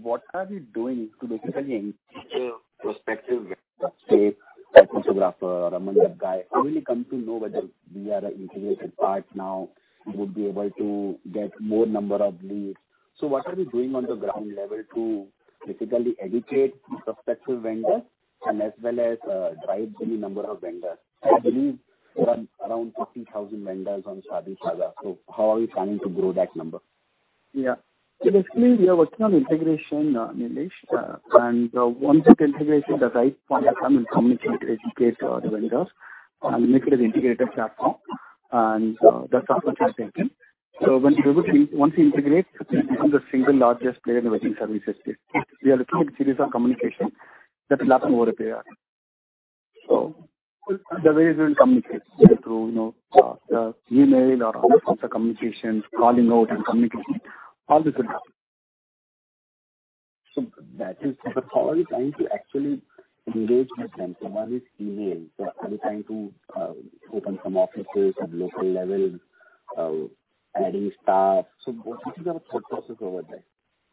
what you are doing to basically engage the prospective vendors, say photographer or a makeup guy, to really come to know whether we are an integrated part now, would be able to get more number of leads. What are we doing on the ground level to basically educate the prospective vendors and as well as drive the number of vendors? I believe around 15,000 vendors on shaadisaga.com. How are we planning to grow that number? Yeah. Basically we are working on integration, Nilesh. Once we've integrated the right partner come and communicate to educate the vendors and make it as integrated platform. That's also presentation. When we're able to once we integrate, we become the single largest player in the wedding services space. We are looking at series of communication that will happen over a period. The ways we'll communicate is through, you know, the email or other forms of communications, calling out and communicating. All this will happen. How are you trying to actually engage with them? Somebody's email. Are you trying to open some offices at local level, adding staff? What is our thought process over there?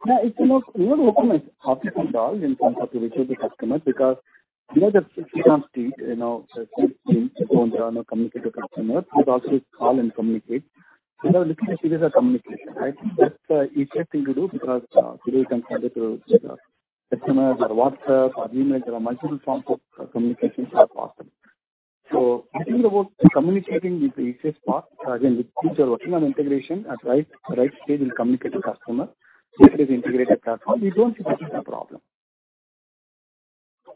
No, it's you know we want to launch as half-baked as possible in terms of reaching the customers because you know the free-of-charge base you know since we don't communicate with customers. We do also call and communicate. We're looking at series of communication. I think that's the easiest thing to do because today you can connect through you know SMS or WhatsApp or email. There are multiple forms of communication possible. I think communicating is the easiest part. Again, with teams who are working on integration at right stage, we'll communicate with customer. Once it is integrated platform, we don't see this as a problem.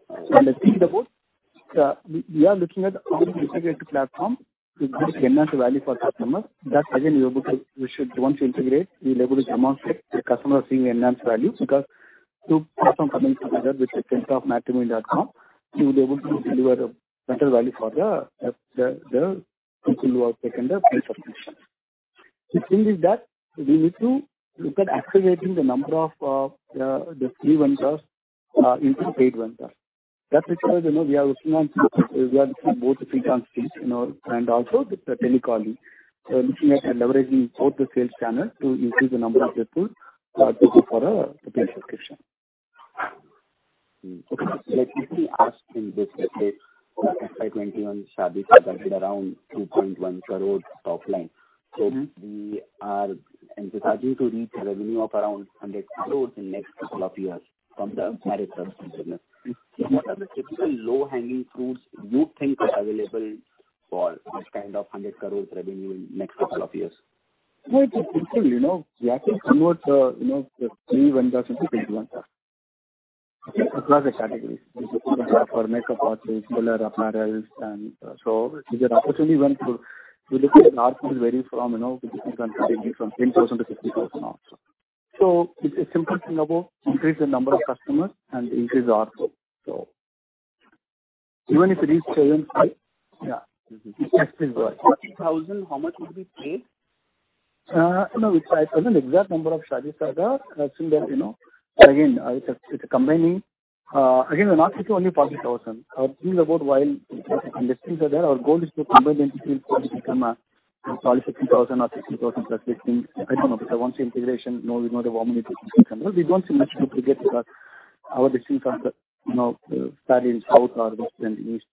The thing is we are looking at how to integrate the platform to build enhance the value for customers. Once we integrate, we'll able to demonstrate the customer is seeing enhanced value because two customers combined together with the strength of Matrimony.com, we will be able to deliver a better value for the people who are taking the paid subscription. The thing is that we need to look at accelerating the number of the free vendors into paid vendors. That's because, you know, we are looking at both the free channels, you know, and also the telecalling. Looking at leveraging both the sales channels to increase the number of people looking for the paid subscription. Okay. Let me ask in this case, FY 2021 ShaadiSaga did around INR 2.1 crore top line. Mm-hmm. We are emphasizing to reach a revenue of around 100 crore in next couple of years from the marriage services business. What are the typical low-hanging fruits you think are available for this kind of 100 crore revenue in next couple of years? No, it's simple. You know, we have to convert, you know, the free vendors into paid vendors. That's one of the strategies. This is for makeup artists, jewelers, apparel and these are opportunities we're going through. We're looking at ARPU varying from between INR 10,000-15,000 from 10,000 to 60,000 also. It's a simple thing about increase the number of customers and increase ARPU. Even if it is 7.5%. Yeah. Mm-hmm. The test is right. INR 40,000, how much would we pay? You know, I don't know the exact number of ShaadiSaga. Assume that, you know. Again, it's a combining. Again, we're not looking only at 40,000. Our thinking about the listings are there, our goal is to combine the entities so it become 40,000-50,000 or 60,000+ listings. I don't know, because once the integration, we know how many listings we can have. We don't see much overlap because our listings are the, you know, spread in south or west and east.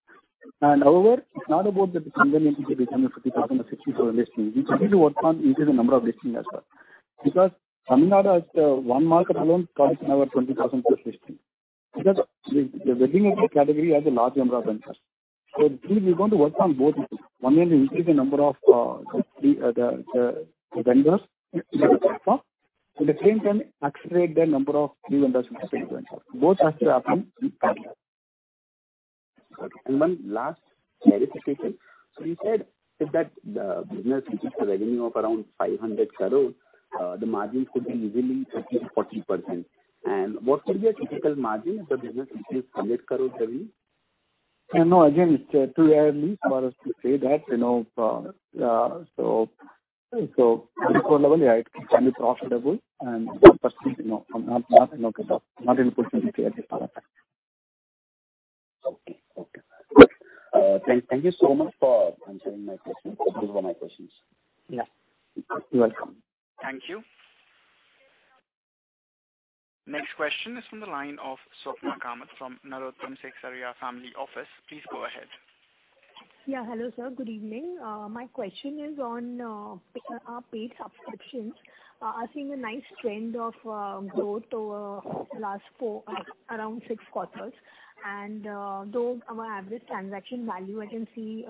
However, it's not about that the combined entity become a 50,000 or 60,000 listing. We continue to work on increase the number of listing as well. Because Tamil Nadu as one market alone carries another 20,000+ listing. Because the wedding as a category has a large number of vendors. We're going to work on both the things. On one end we increase the number of the vendors in the platform. At the same time accelerate the number of free vendors into paid vendors. Both has to happen in parallel. Got it. One last clarification. You said that if the business reaches the revenue of around 500 crore, the margin could be easily 30%-40%. What will be a typical margin if the business reaches INR 100 crore revenue? You know, again, it's too early for us to say that, you know, so at this point level, yeah, it can be profitable and 30%, you know, not get up. Not in a position to give a clear guide on that. Okay. Good. Thank you so much for answering my questions. Those were my questions. Yeah. You're welcome. Thank you. Next question is from the line of Swapna Kamat from Narotam Sekhsaria Family Office. Please go ahead. Yeah. Hello, sir. Good evening. My question is on our paid subscriptions. They are seeing a nice trend of growth over the last four, around six quarters. Though our average transaction value I can see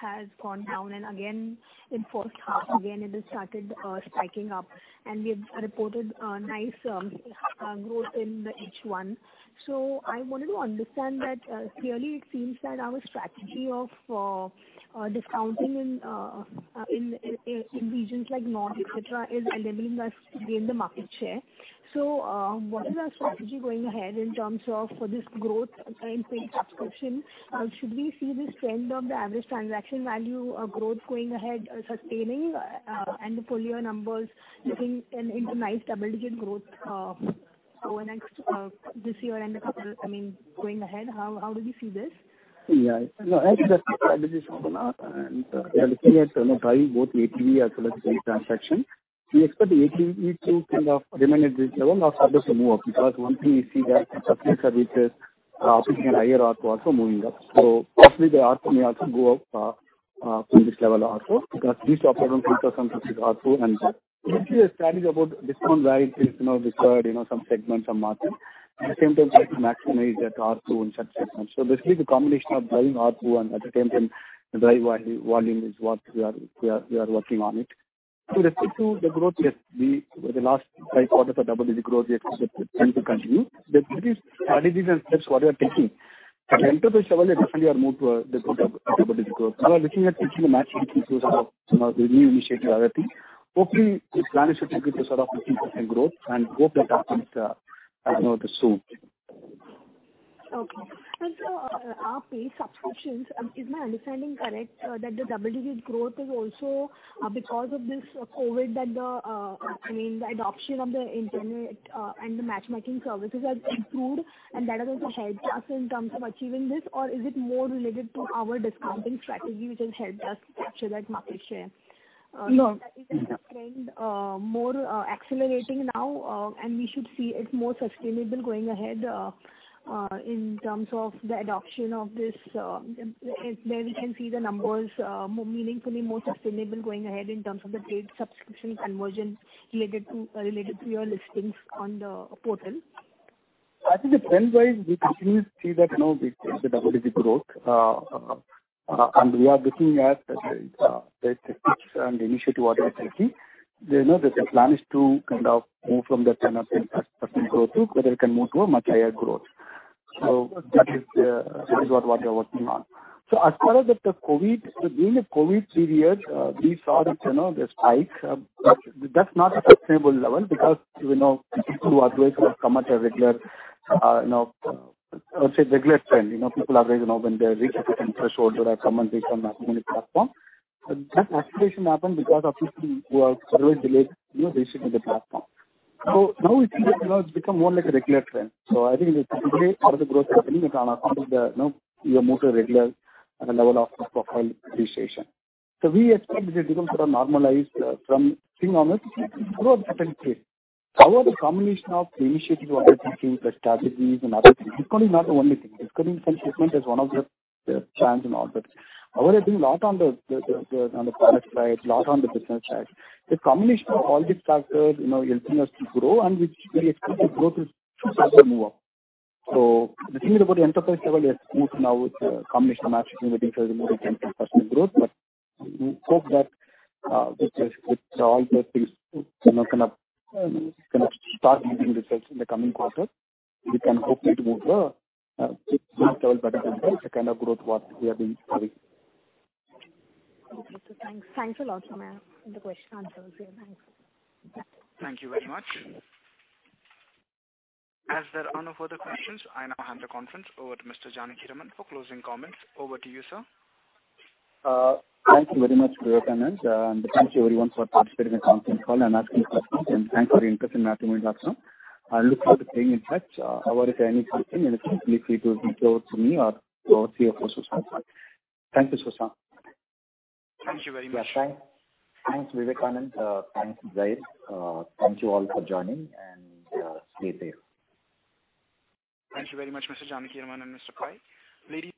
has gone down and again in second half, it has started spiking up and we have reported a nice growth in the H1. I wanted to understand that clearly it seems that our strategy of discounting in regions like North et cetera is enabling us to gain the market share. What is our strategy going ahead in terms of for this growth in paid subscription? Should we see this trend of the average transaction value growth going ahead sustaining, and the paying numbers looking into nice double-digit growth over the next this year and going ahead, how do you see this? Yeah. No, actually that's the strategy, Swapna. We are looking at, you know, drive both ATV as well as paid transaction. We expect the ATV to kind of remain at this level or start also move up, because one thing we see that the subscription services are offering a higher ARPU also moving up. So possibly the ARPU may also go up from this level also. Because we saw around 3,050 ARPU and that. Basically the strategy about discount where it is, you know, required, you know, some segments, some markets. At the same time try to maximize that ARPU in such segments. So basically the combination of driving ARPU and at the same time drive volume is what we are working on it. To refer to the growth, yes. The last five quarters of double-digit growth, we expect them to continue. That is our guidance and that's what we are taking. At the enterprise level, definitely more to the double-digit growth. We are looking at reaching a matchmaking sort of, you know, the new initiative and other things. Hoping this plan to take it to sort of 15% growth and hope that happens, you know, soon. Okay. Our paid subscriptions, is my understanding correct, that the double-digit growth is also because of this COVID, I mean, the adoption of the internet and the matchmaking services have improved and that is also helped us in terms of achieving this or is it more related to our discounting strategy which has helped us capture that market share? No. Is that a trend, more accelerating now, and we should see it more sustainable going ahead, in terms of the adoption of this, where we can see the numbers, more meaningfully, more sustainable going ahead in terms of the paid subscription conversion related to, related to your listings on the portal? I think trend-wise, we continue to see that, you know, we take the double-digit growth. We are looking at the metrics and the initiatives that we are taking. You know, the plan is to kind of move from the 10% growth to whether it can move to a much higher growth. That is what we are working on. As far as the COVID, during the COVID period, we saw that, you know, the spikes. But that's not a sustainable level because, you know, people who otherwise would have come at a regular, you know, let's say regular trend. You know, people always know when they reach a certain threshold that have come and take our matrimonial platform. That acceleration happened because of people who are always delayed, you know, they sit in the platform. So now we think it, you know, it's become more like a regular trend. So I think the delay for the growth has been on account of the, you know, we have moved to a regular level of profile registration. So we expect this to become sort of normalized from being normal to grow at a certain pace. However, the combination of the initiatives we are taking, the strategies and other things, discounting is not the only thing. Discounting and shipment is one of the plans and all that. However, I think a lot on the product side, a lot on the business side. The combination of all these factors, you know, helping us to grow and which we expect the growth to certainly move up. The thing about the enterprise level, yes, moves now with a combination of matchmaking, which has removed 10% personal growth. We hope that with this, with all those things, you know, kind of start giving results in the coming quarter. We can hope it move to a 6.7% better than that. It's the kind of growth what we have been having. Okay. Thanks. Thanks a lot, Sameer. The question answered. Thanks. Thank you very much. As there are no further questions, I now hand the conference over to Mr. Janakiraman for closing comments. Over to you, sir. Thank you very much, Vivekanand. Thank you everyone for participating in the conference call and asking questions, and thanks for your interest in Matrimony.com. I look forward to staying in touch. However, if you need something, you know, feel free to reach out to me or to our CFO, Sushanth Pai. Thank you, Sushanth Pai. Thank you very much. Yeah. Thanks. Thanks, Vivekanand. Thanks, Zair. Thank you all for joining, and stay safe. Thank you very much, Mr. Janakiraman and Mr. Pai. Ladies and—